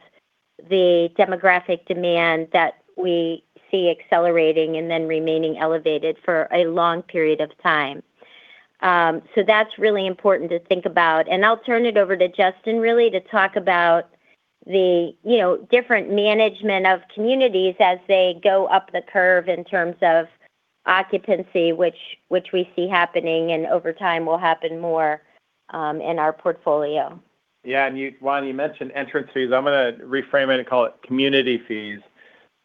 the demographic demand that we see accelerating and then remaining elevated for a long period of time. That's really important to think about, and I'll turn it over to Justin really to talk about the, you know, different management of communities as they go up the curve in terms of occupancy, which we see happening, and over time will happen more in our portfolio. Yeah. Juan, you mentioned entrance fees. I'm gonna reframe it and call it community fees,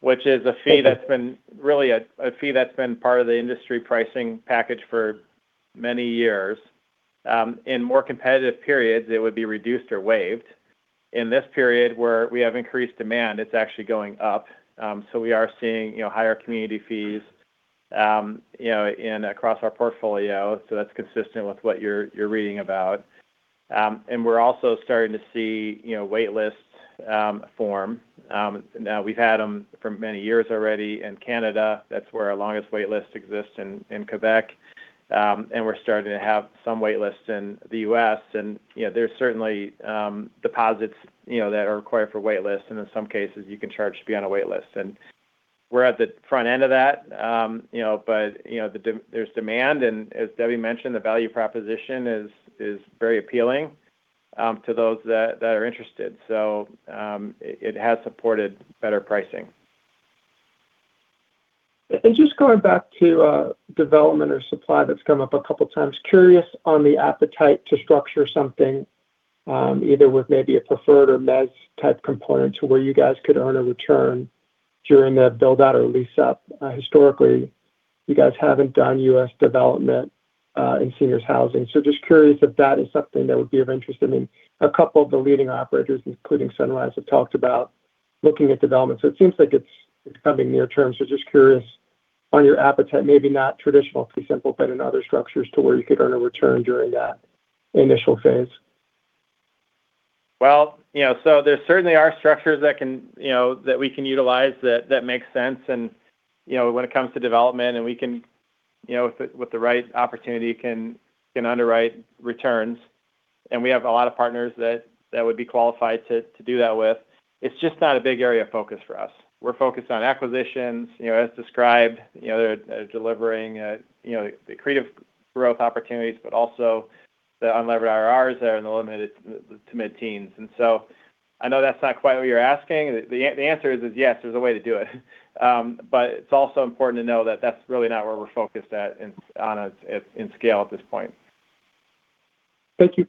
which is a fee that's been really a fee that's been part of the industry pricing package for many years. In more competitive periods, it would be reduced or waived. In this period, where we have increased demand, it's actually going up. We are seeing, you know, higher community fees, you know, in across our portfolio, so that's consistent with what you're reading about. We're also starting to see, you know, waitlists form. Now we've had them for many years already in Canada. That's where our longest waitlist exists in Quebec. We're starting to have some waitlists in the U.S. and, you know, there's certainly, deposits, you know, that are required for waitlists, and in some cases, you can charge to be on a waitlist. We're at the front end of that. You know, there's demand and as Debbie mentioned, the value proposition is very appealing to those that are interested. It has supported better pricing. Just going back to development or supply that's come up a couple times. Curious on the appetite to structure something, either with maybe a preferred or mez type component to where you guys could earn a return during the build out or lease up. Historically, you guys haven't done U.S. development in seniors housing. Just curious if that is something that would be of interest. I mean, a couple of the leading operators, including Sunrise, have talked about looking at development, so it seems like it's coming near term. Just curious on your appetite, maybe not traditional fee simple, but in other structures to where you could earn a return during that initial phase. Well, you know, there certainly are structures that can, you know, that we can utilize that makes sense and, you know, when it comes to development and we can, you know, with the, with the right opportunity can underwrite returns, and we have a lot of partners that would be qualified to do that with. It's just not a big area of focus for us. We're focused on acquisitions, you know, as described, you know, they're delivering, you know, the accretive growth opportunities, but also the unlevered IRRs that are in the limited to mid-teens. I know that's not quite what you're asking. The answer is yes, there's a way to do it. It's also important to know that that's really not where we're focused at in scale at this point. Thank you.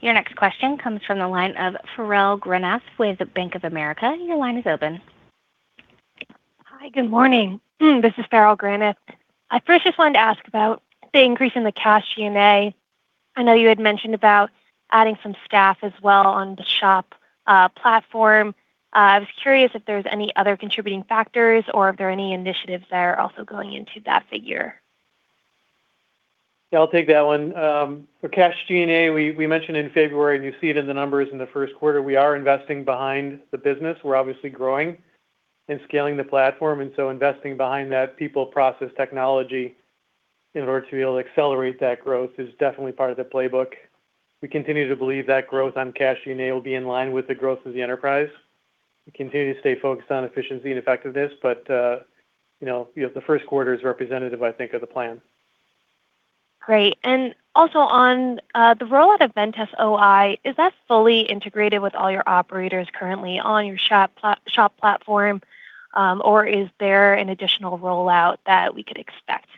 Your next question comes from the line of Farrell Granath with Bank of America. Your line is open. Hi, good morning. This is Farrell Granath. I first just wanted to ask about the increase in the cash G&A. I know you had mentioned about adding some staff as well on the SHOP platform. I was curious if there's any other contributing factors or if there are any initiatives that are also going into that figure. Yeah, I'll take that one. For cash G&A, we mentioned in February, and you see it in the numbers in the Q1, we are investing behind the business. We're obviously growing and scaling the platform, and so investing behind that people process technology in order to be able to accelerate that growth is definitely part of the playbook. We continue to believe that growth on cash G&A will be in line with the growth of the enterprise. We continue to stay focused on efficiency and effectiveness, but, you know, the Q1 is representative, I think, of the plan. Great. Also on the rollout of Ventas OI, is that fully integrated with all your operators currently on your SHOP platform, or is there an additional rollout that we could expect?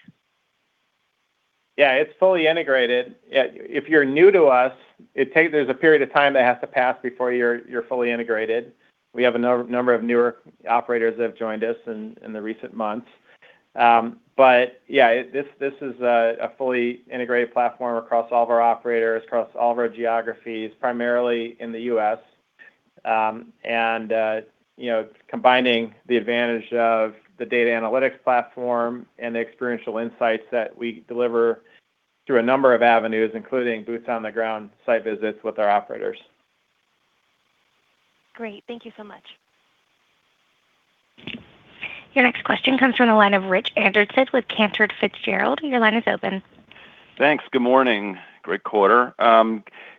Yeah, it's fully integrated. If you're new to us, there's a period of time that has to pass before you're fully integrated. We have a number of newer operators that have joined us in the recent months. Yeah, this is a fully integrated platform across all of our operators, across all of our geographies, primarily in the U.S. You know, combining the advantage of the data analytics platform and the experiential insights that we deliver through a number of avenues, including boots on the ground site visits with our operators. Great. Thank you so much. Your next question comes from the line of Rich Anderson with Cantor Fitzgerald. Your line is open. Thanks. Good morning. Great quarter.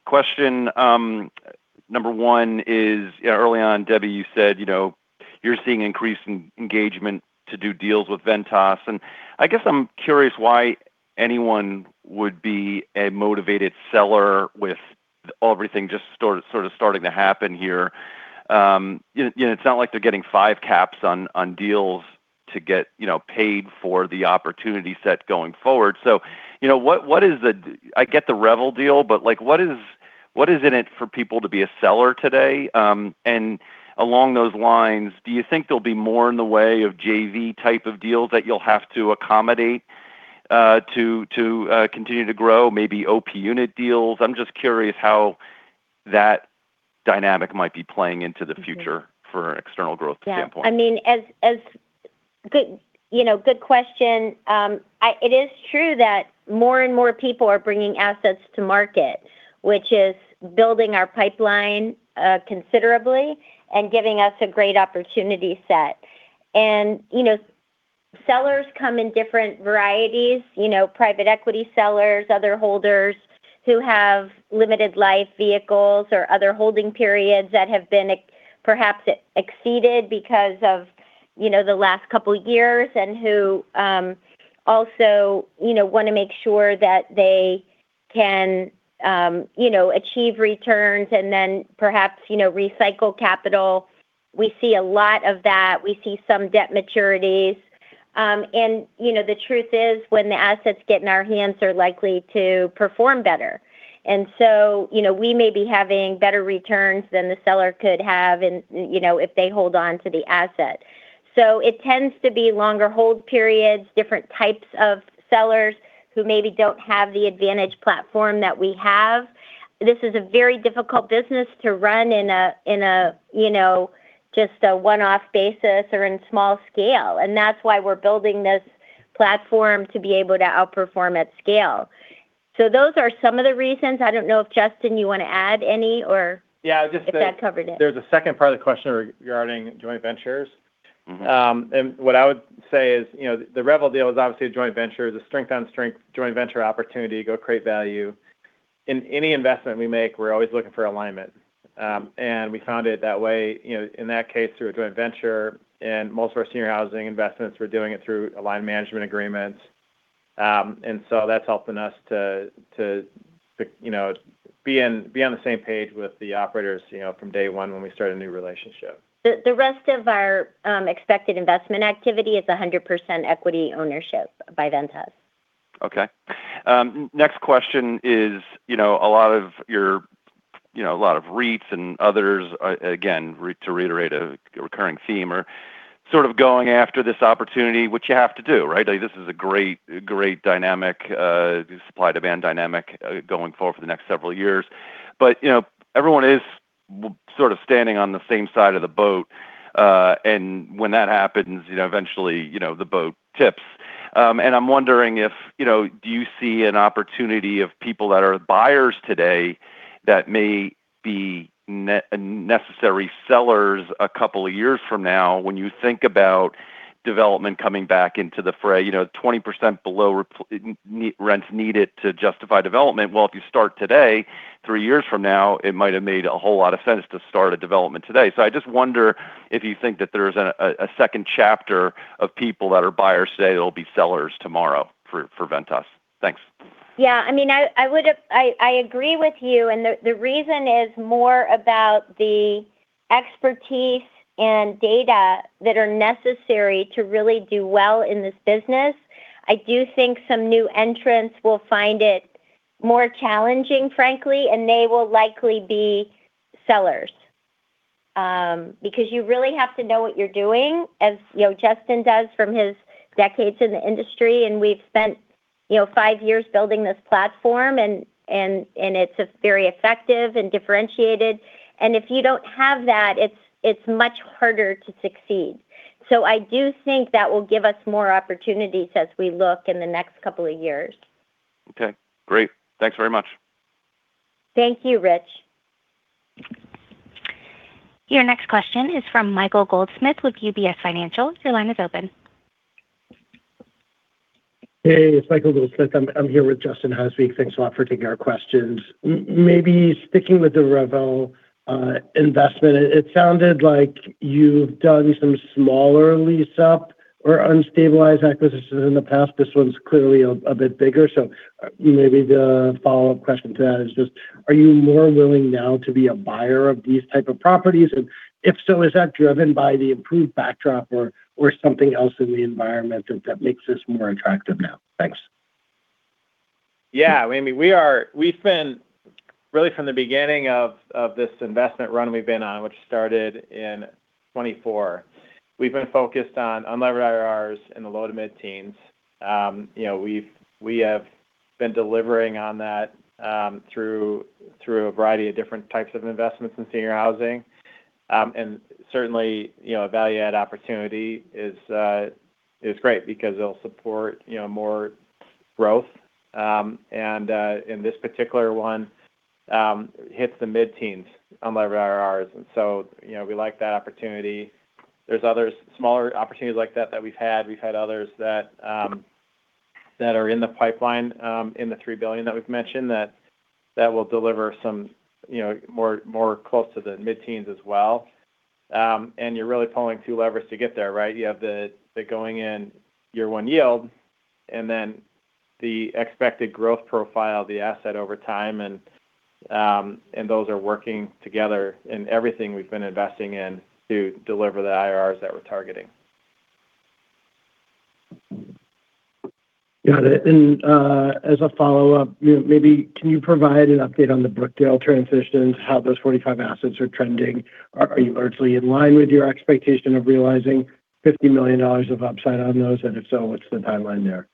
Question number one is, early on, Debbie, you said, you know, you're seeing increased engagement to do deals with Ventas. I guess I'm curious why anyone would be a motivated seller with everything just sort of starting to happen here. You know, it's not like they're getting five caps on deals to get, you know, paid for the opportunity set going forward. You know, what is the I get the Revel deal, but, like, what is in it for people to be a seller today? Along those lines, do you think there'll be more in the way of JV type of deals that you'll have to accommodate to continue to grow? Maybe OP unit deals? I'm just curious how that dynamic might be playing into the future for external growth standpoint. Yeah. I mean, good, you know, good question. It is true that more and more people are bringing assets to market, which is building our pipeline considerably and giving us a great opportunity set. You know, sellers come in different varieties, you know, private equity sellers, other holders who have limited life vehicles or other holding periods that have been perhaps exceeded because of, you know, the last couple years, and who, also, you know, wanna make sure that they can, you know, achieve returns and then perhaps, you know, recycle capital. We see a lot of that. We see some debt maturities. You know, the truth is, when the assets get in our hands, they're likely to perform better. You know, we may be having better returns than the seller could have in, you know, if they hold on to the asset. It tends to be longer hold periods, different types of sellers who maybe don't have the advantage platform that we have. This is a very difficult business to run in a, you know, just a one-off basis or in small scale. That's why we're building this platform, to be able to outperform at scale. Those are some of the reasons. I don't know if, Justin, you wanna add any? Yeah. If that covered it? there's a second part of the question regarding joint ventures. What I would say is, you know, the Revel deal is obviously a joint venture. It's a strength on strength joint venture opportunity. Go create value. In any investment we make, we're always looking for alignment. We found it that way, you know, in that case through a joint venture. In most of our senior housing investments, we're doing it through aligned management agreements. So that's helping us to, you know, be on the same page with the operators, you know, from day one when we start a new relationship. The rest of our expected investment activity is 100% equity ownership by Ventas. Okay. Next question is, you know, a lot of your, you know, a lot of REITs and others, again, to reiterate a recurring theme, are sort of going after this opportunity, which you have to do, right? This is a great dynamic, supply-demand dynamic, going forward for the next several years. You know, everyone is sort of standing on the same side of the boat. When that happens, you know, eventually, you know, the boat tips. I'm wondering if, you know, do you see an opportunity of people that are buyers today that may be necessary sellers a couple of years from now? When you think about development coming back into the fray, you know, 20% below rents needed to justify development. Well, if you start today, three years from now, it might have made a whole lot of sense to start a development today. I just wonder if you think that there's a second chapter of people that are buyers today that'll be sellers tomorrow for Ventas. Thanks. I mean, I agree with you and the reason is more about the expertise and data that are necessary to really do well in this business. I do think some new entrants will find it more challenging, frankly, and they will likely be sellers. Because you really have to know what you're doing, as, you know, Justin does from his decades in the industry. We've spent, you know, five years building this platform and it's very effective and differentiated, and if you don't have that, it's much harder to succeed. I do think that will give us more opportunities as we look in the next couple of years. Okay. Great. Thanks very much. Thank you, Rich. Your next question is from Michael Goldsmith with UBS Financial. Your line is open. Hey, it's Michael Goldsmith. I'm here with Justin Hutchens. Thanks a lot for taking our questions. Maybe sticking with the Revel investment, it sounded like you've done some smaller lease up or unstabilized acquisitions in the past. This one's clearly a bit bigger. Maybe the follow-up question to that is just, are you more willing now to be a buyer of these type of properties? If so, is that driven by the improved backdrop or something else in the environment that makes this more attractive now? Thanks. Yeah. I mean, we've been, really from the beginning of this investment run we've been on, which started in 2024, we've been focused on unlevered IRRs in the low to mid-teens. You know, we have been delivering on that through a variety of different types of investments in senior housing. Certainly, you know, a value add opportunity is great because it'll support, you know, more growth. This particular one hits the mid-teens unlevered IRRs, you know, we like that opportunity. There's others, smaller opportunities like that that we've had. We've had others that are in the pipeline in the $3 billion that we've mentioned, that will deliver some, you know, more close to the mid-teens as well. You're really pulling two levers to get there, right? You have the going in year one yield. Then the expected growth profile of the asset over time. Those are working together in everything we've been investing in to deliver the IRRs that we're targeting. Got it. As a follow-up, you know, maybe can you provide an update on the Brookdale transitions, how those 45 assets are trending? Are you largely in line with your expectation of realizing $50 million of upside on those? If so, what's the timeline there?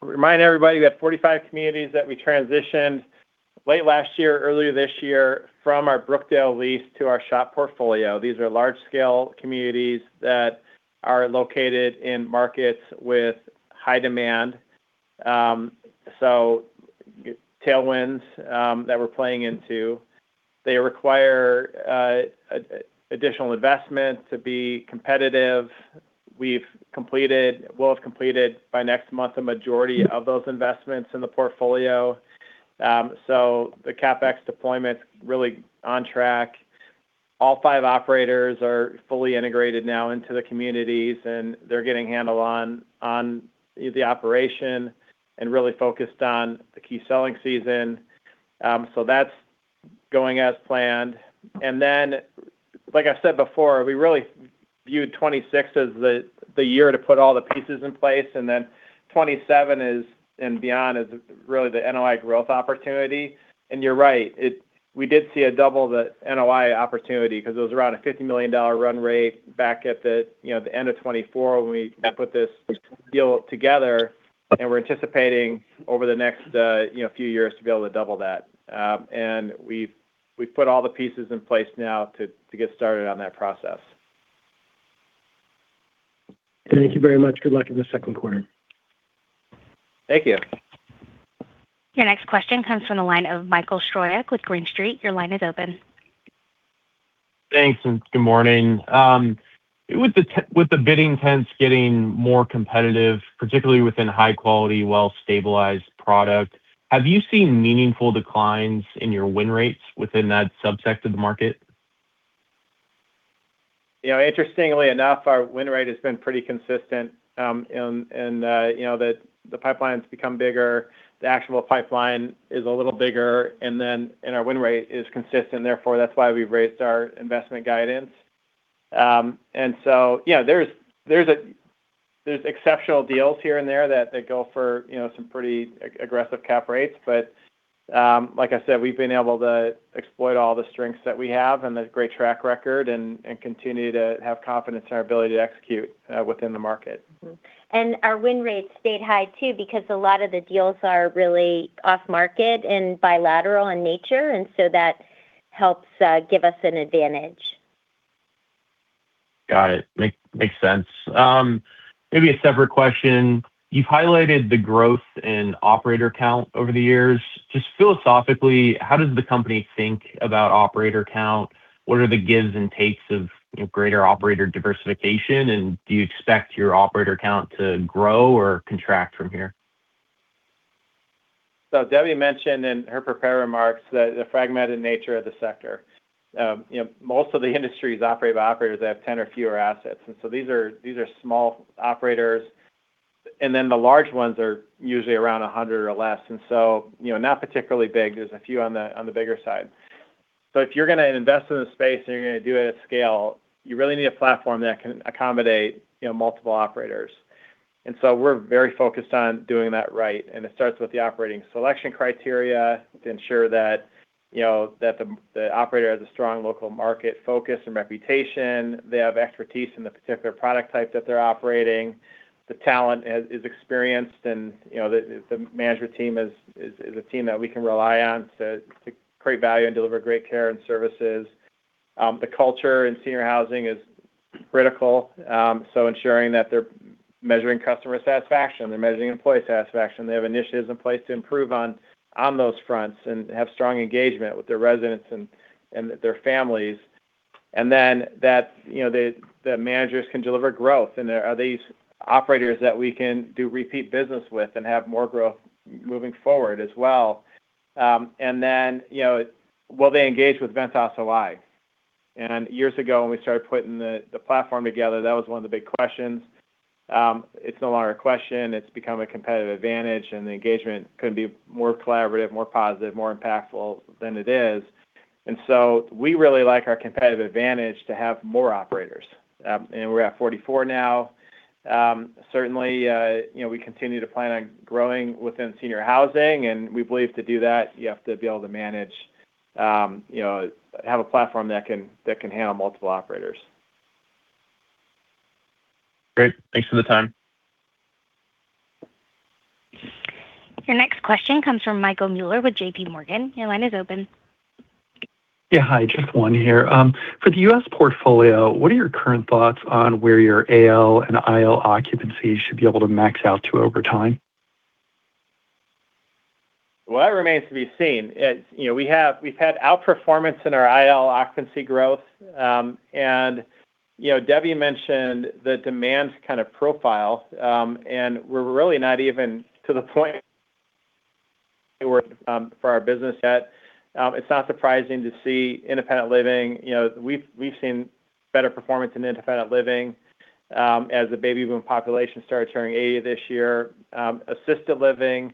Remind everybody, we got 45 communities that we transitioned late last year, earlier this year from our Brookdale lease to our SHOP portfolio. These are large scale communities that are located in markets with high demand. Tailwinds that we're playing into, they require additional investment to be competitive. We'll have completed by next month, a majority of those investments in the portfolio. The CapEx deployment's really on track. All five operators are fully integrated now into the communities, and they're getting a handle on the operation and really focused on the key selling season. That's going as planned. Like I said before, we really viewed 2026 as the year to put all the pieces in place, and 2027 and beyond, is really the NOI growth opportunity. You're right, we did see a double the NOI opportunity because it was around a $50 million run rate back at the, you know, the end of 2024 when we put this deal together. We're anticipating over the next, you know, few years to be able to double that. We've put all the pieces in place now to get started on that process. Thank you very much. Good luck in the Q2. Thank you. Your next question comes from the line of Michael Stroyeck with Green Street. Your line is open. Thanks, and good morning. With the bidding trends getting more competitive, particularly within high quality, well-stabilized product, have you seen meaningful declines in your win rates within that subset of the market? You know, interestingly enough, our win rate has been pretty consistent, you know, the pipeline's become bigger. The actual pipeline is a little bigger, and our win rate is consistent, therefore that's why we've raised our investment guidance. You know, there's exceptional deals here and there that go for, you know, some pretty aggressive cap rates. Like I said, we've been able to exploit all the strengths that we have and the great track record and continue to have confidence in our ability to execute within the market. Our win rates stayed high too because a lot of the deals are really off market and bilateral in nature, and so that helps give us an advantage. Got it. Makes sense. Maybe a separate question. You've highlighted the growth in operator count over the years. Just philosophically, how does the company think about operator count? What are the gives and takes of, you know, greater operator diversification, and do you expect your operator count to grow or contract from here? Debbie mentioned in her prepared remarks the fragmented nature of the sector. You know, most of the industries operate by operators that have 10 or fewer assets, and these are small operators. The large ones are usually around 100 or less. You know, not particularly big. There's a few on the bigger side. If you're gonna invest in the space and you're gonna do it at scale, you really need a platform that can accommodate, you know, multiple operators. We're very focused on doing that right, and it starts with the operating selection criteria to ensure that, you know, that the operator has a strong local market focus and reputation. They have expertise in the particular product type that they're operating. The talent is experienced, and, you know, the management team is a team that we can rely on to create value and deliver great care and services. The culture in senior housing is critical. Ensuring that they're measuring customer satisfaction, they're measuring employee satisfaction, they have initiatives in place to improve on those fronts and have strong engagement with their residents and their families. That, you know, the managers can deliver growth, and are these operators that we can do repeat business with and have more growth moving forward as well. You know, will they engage with Ventas OI? Years ago when we started putting the platform together, that was one of the big questions. It's no longer a question. It's become a competitive advantage, and the engagement couldn't be more collaborative, more positive, more impactful than it is. So we really like our competitive advantage to have more operators. We're at 44 now. Certainly, you know, we continue to plan on growing within senior housing, and we believe to do that, you have to be able to manage, you know, have a platform that can, that can handle multiple operators. Great. Thanks for the time. Your next question comes from Michael Mueller with JPMorgan. Your line is open. Yeah, hi. Just one here. For the U.S. portfolio, what are your current thoughts on where your AL and IL occupancy should be able to max out to over time? Well, that remains to be seen. It, you know, we've had outperformance in our IL occupancy growth. You know, Debbie mentioned the demand kind of profile. We're really not even to the point. It worked for our business yet. It's not surprising to see independent living. You know, we've seen better performance in independent living as the baby boom population started turning 80 this year. Assisted living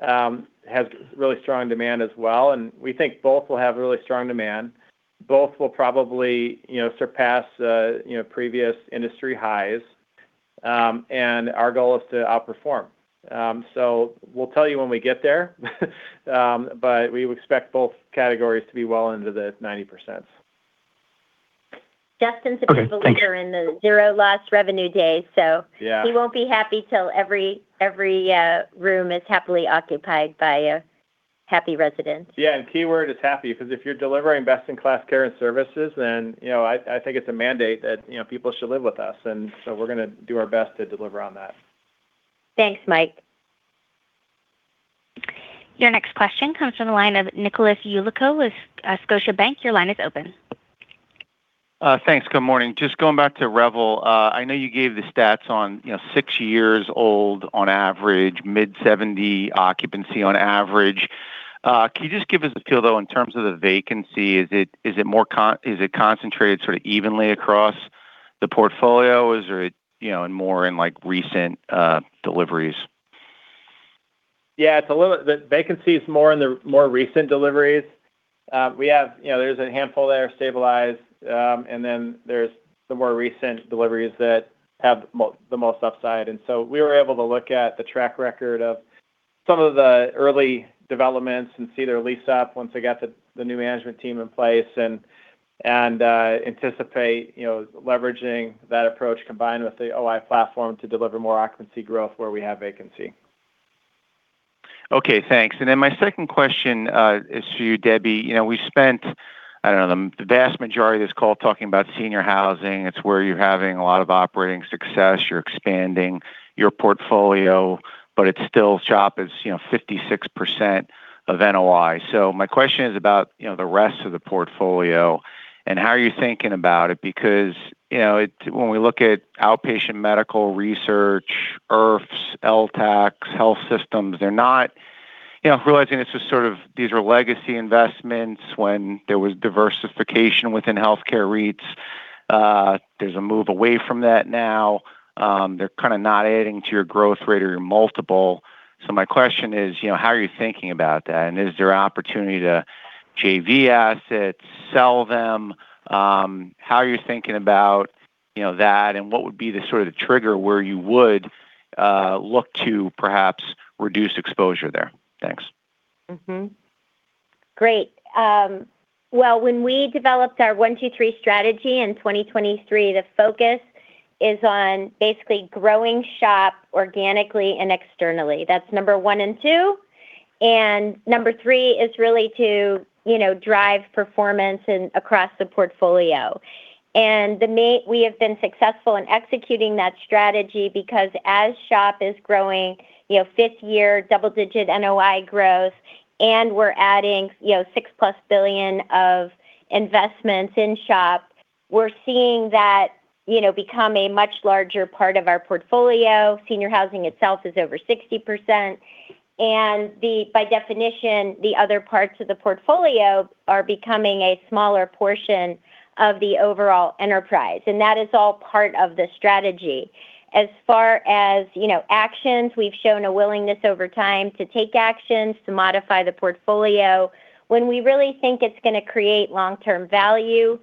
has really strong demand as well, we think both will have really strong demand. Both will probably, you know, surpass, you know, previous industry highs. Our goal is to outperform. We'll tell you when we get there, we expect both categories to be well into the 90%. Justin's- Okay, thanks. ...a believer in the zero last revenue day. Yeah. He won't be happy till every room is happily occupied by a happy resident. Yeah. Keyword is happy, because if you're delivering best in class care and services, then, you know, I think it's a mandate that, you know, people should live with us. We're gonna do our best to deliver on that. Thanks, Mike. Your next question comes from the line of Nicholas Yulico with Scotiabank. Your line is open. Thanks. Good morning. Just going back to Revel, I know you gave the stats on, you know, six years old on average, mid-70% occupancy on average. Can you just give us a feel though, in terms of the vacancy? Is it concentrated sort of evenly across the portfolio? Is there, you know, in more in like recent deliveries? Yeah, it's a little. The vacancy is more in the more recent deliveries. We have, you know, there's a handful that are stabilized. Then there's the more recent deliveries that have the most upside. We were able to look at the track record of some of the early developments and see their lease up once they got the new management team in place and anticipate, you know, leveraging that approach combined with the OI platform to deliver more occupancy growth where we have vacancy. Okay, thanks. My second question is for you, Debbie. You know, we spent, I don't know, the vast majority of this call talking about senior housing. It's where you're having a lot of operating success. You're expanding your portfolio, but it's still SHOP is, you know, 56% of NOI. My question is about, you know, the rest of the portfolio and how are you thinking about it. Because, you know, when we look at outpatient medical research, IRFs, LTACs, health systems, they're not, you know, realizing this was sort of these were legacy investments when there was diversification within healthcare REITs. There's a move away from that now. They're kind of not adding to your growth rate or your multiple. My question is, you know, how are you thinking about that? Is there opportunity to JV assets, sell them? How are you thinking about, you know, that, and what would be the sort of the trigger where you would look to perhaps reduce exposure there? Thanks. Great. Well, when we developed our one, two, three strategy in 2023, the focus is on basically growing SHOP organically and externally. That's number one and two. Number three is really to, you know, drive performance across the portfolio. We have been successful in executing that strategy because as SHOP is growing, you know, fifth year, double-digit NOI growth, and we're adding, you know, $6+ billion of investments in SHOP, we're seeing that, you know, become a much larger part of our portfolio. Senior housing itself is over 60%. The, by definition, the other parts of the portfolio are becoming a smaller portion of the overall enterprise. That is all part of the strategy. As far as, you know, actions, we've shown a willingness over time to take actions to modify the portfolio when we really think it's gonna create long-term value.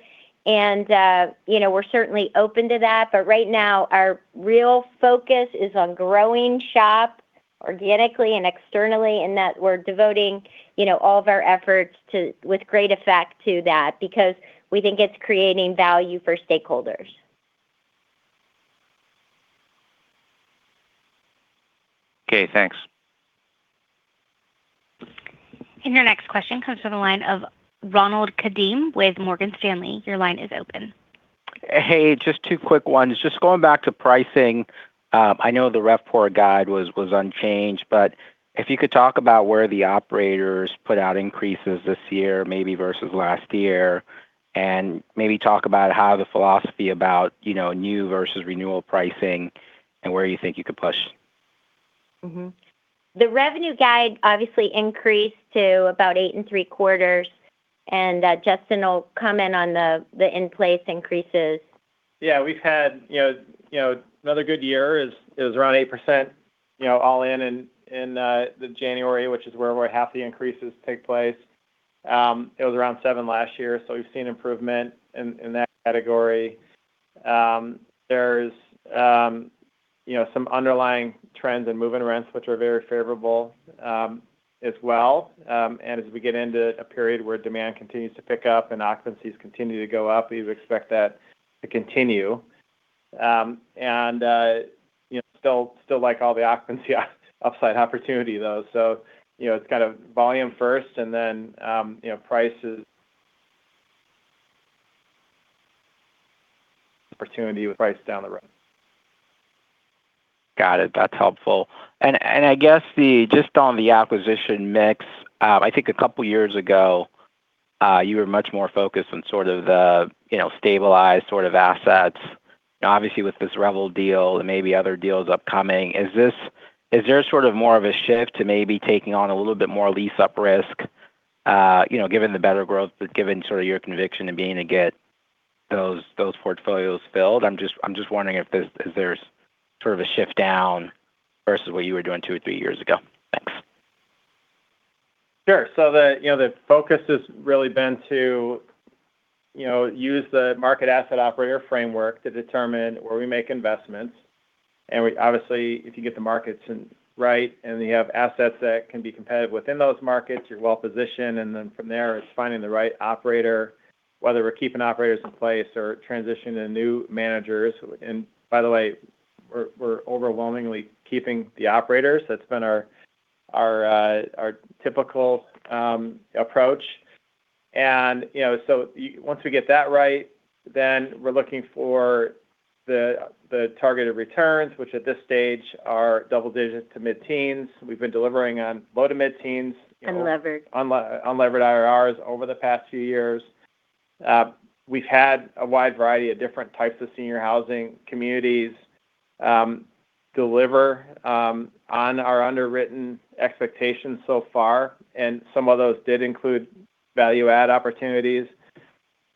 You know, we're certainly open to that. Right now, our real focus is on growing SHOP organically and externally, and that we're devoting, you know, all of our efforts to, with great effect to that because we think it's creating value for stakeholders. Okay, thanks. Your next question comes from the line of Ronald Kamdem with Morgan Stanley. Your line is open. Hey, just two quick ones. Just going back to pricing. I know the RevPAR guide was unchanged, but if you could talk about where the operators put out increases this year, maybe versus last year. Maybe talk about how the philosophy about, you know, new versus renewal pricing and where you think you could push. The revenue guide obviously increased to about eight and three quarters. Justin will comment on the in-place increases. Yeah. We've had, you know, another good year. It was around 8% all in the January, which is where half the increases take place. It was around seven last year, so we've seen improvement in that category. There's some underlying trends in move-in rents, which are very favorable, as well. As we get into a period where demand continues to pick up and occupancies continue to go up, we would expect that to continue. Still like all the occupancy upside opportunity though. It's kind of volume first and then prices. Opportunity with price down the road. Got it. That's helpful. I guess the, just on the acquisition mix, I think a couple years ago, you were much more focused on sort of the, you know, stabilized sort of assets. Obviously, with this Revel deal and maybe other deals upcoming, is there sort of more of a shift to maybe taking on a little bit more lease-up risk, you know, given the better growth, but given sort of your conviction in being to get those portfolios filled? I'm just wondering if there's sort of a shift down versus what you were doing two or three years ago. Thanks. Sure. The, you know, the focus has really been to, you know, use the market asset operator framework to determine where we make investments. We obviously, if you get the markets in right, and you have assets that can be competitive within those markets, you're well-positioned. From there, it's finding the right operator, whether we're keeping operators in place or transitioning to new managers. By the way, we're overwhelmingly keeping the operators. That's been our typical approach. You know, once we get that right, then we're looking for the targeted returns, which at this stage are double digits to mid-teens. We've been delivering on low to mid-teens. Unlevered Unlevered IRRs over the past few years. We've had a wide variety of different types of senior housing communities deliver on our underwritten expectations so far, and some of those did include value add opportunities.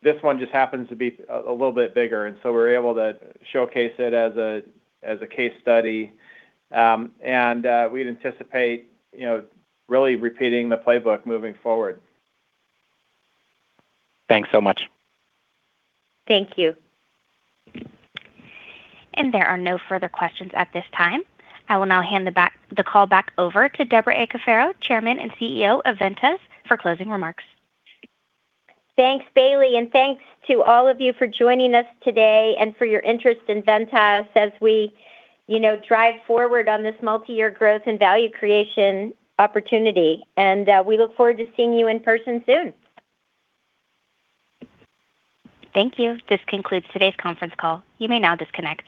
This one just happens to be a little bit bigger, and so we're able to showcase it as a case study. We'd anticipate, you know, really repeating the playbook moving forward. Thanks so much. Thank you. There are no further questions at this time. I will now hand the call back over to Debra A. Cafaro, Chairman and Chief Executive Officer of Ventas, for closing remarks. Thanks, Bailey, thanks to all of you for joining us today and for your interest in Ventas as we, you know, drive forward on this multi-year growth and value creation opportunity. We look forward to seeing you in person soon. Thank you. This concludes today's conference call. You may now disconnect.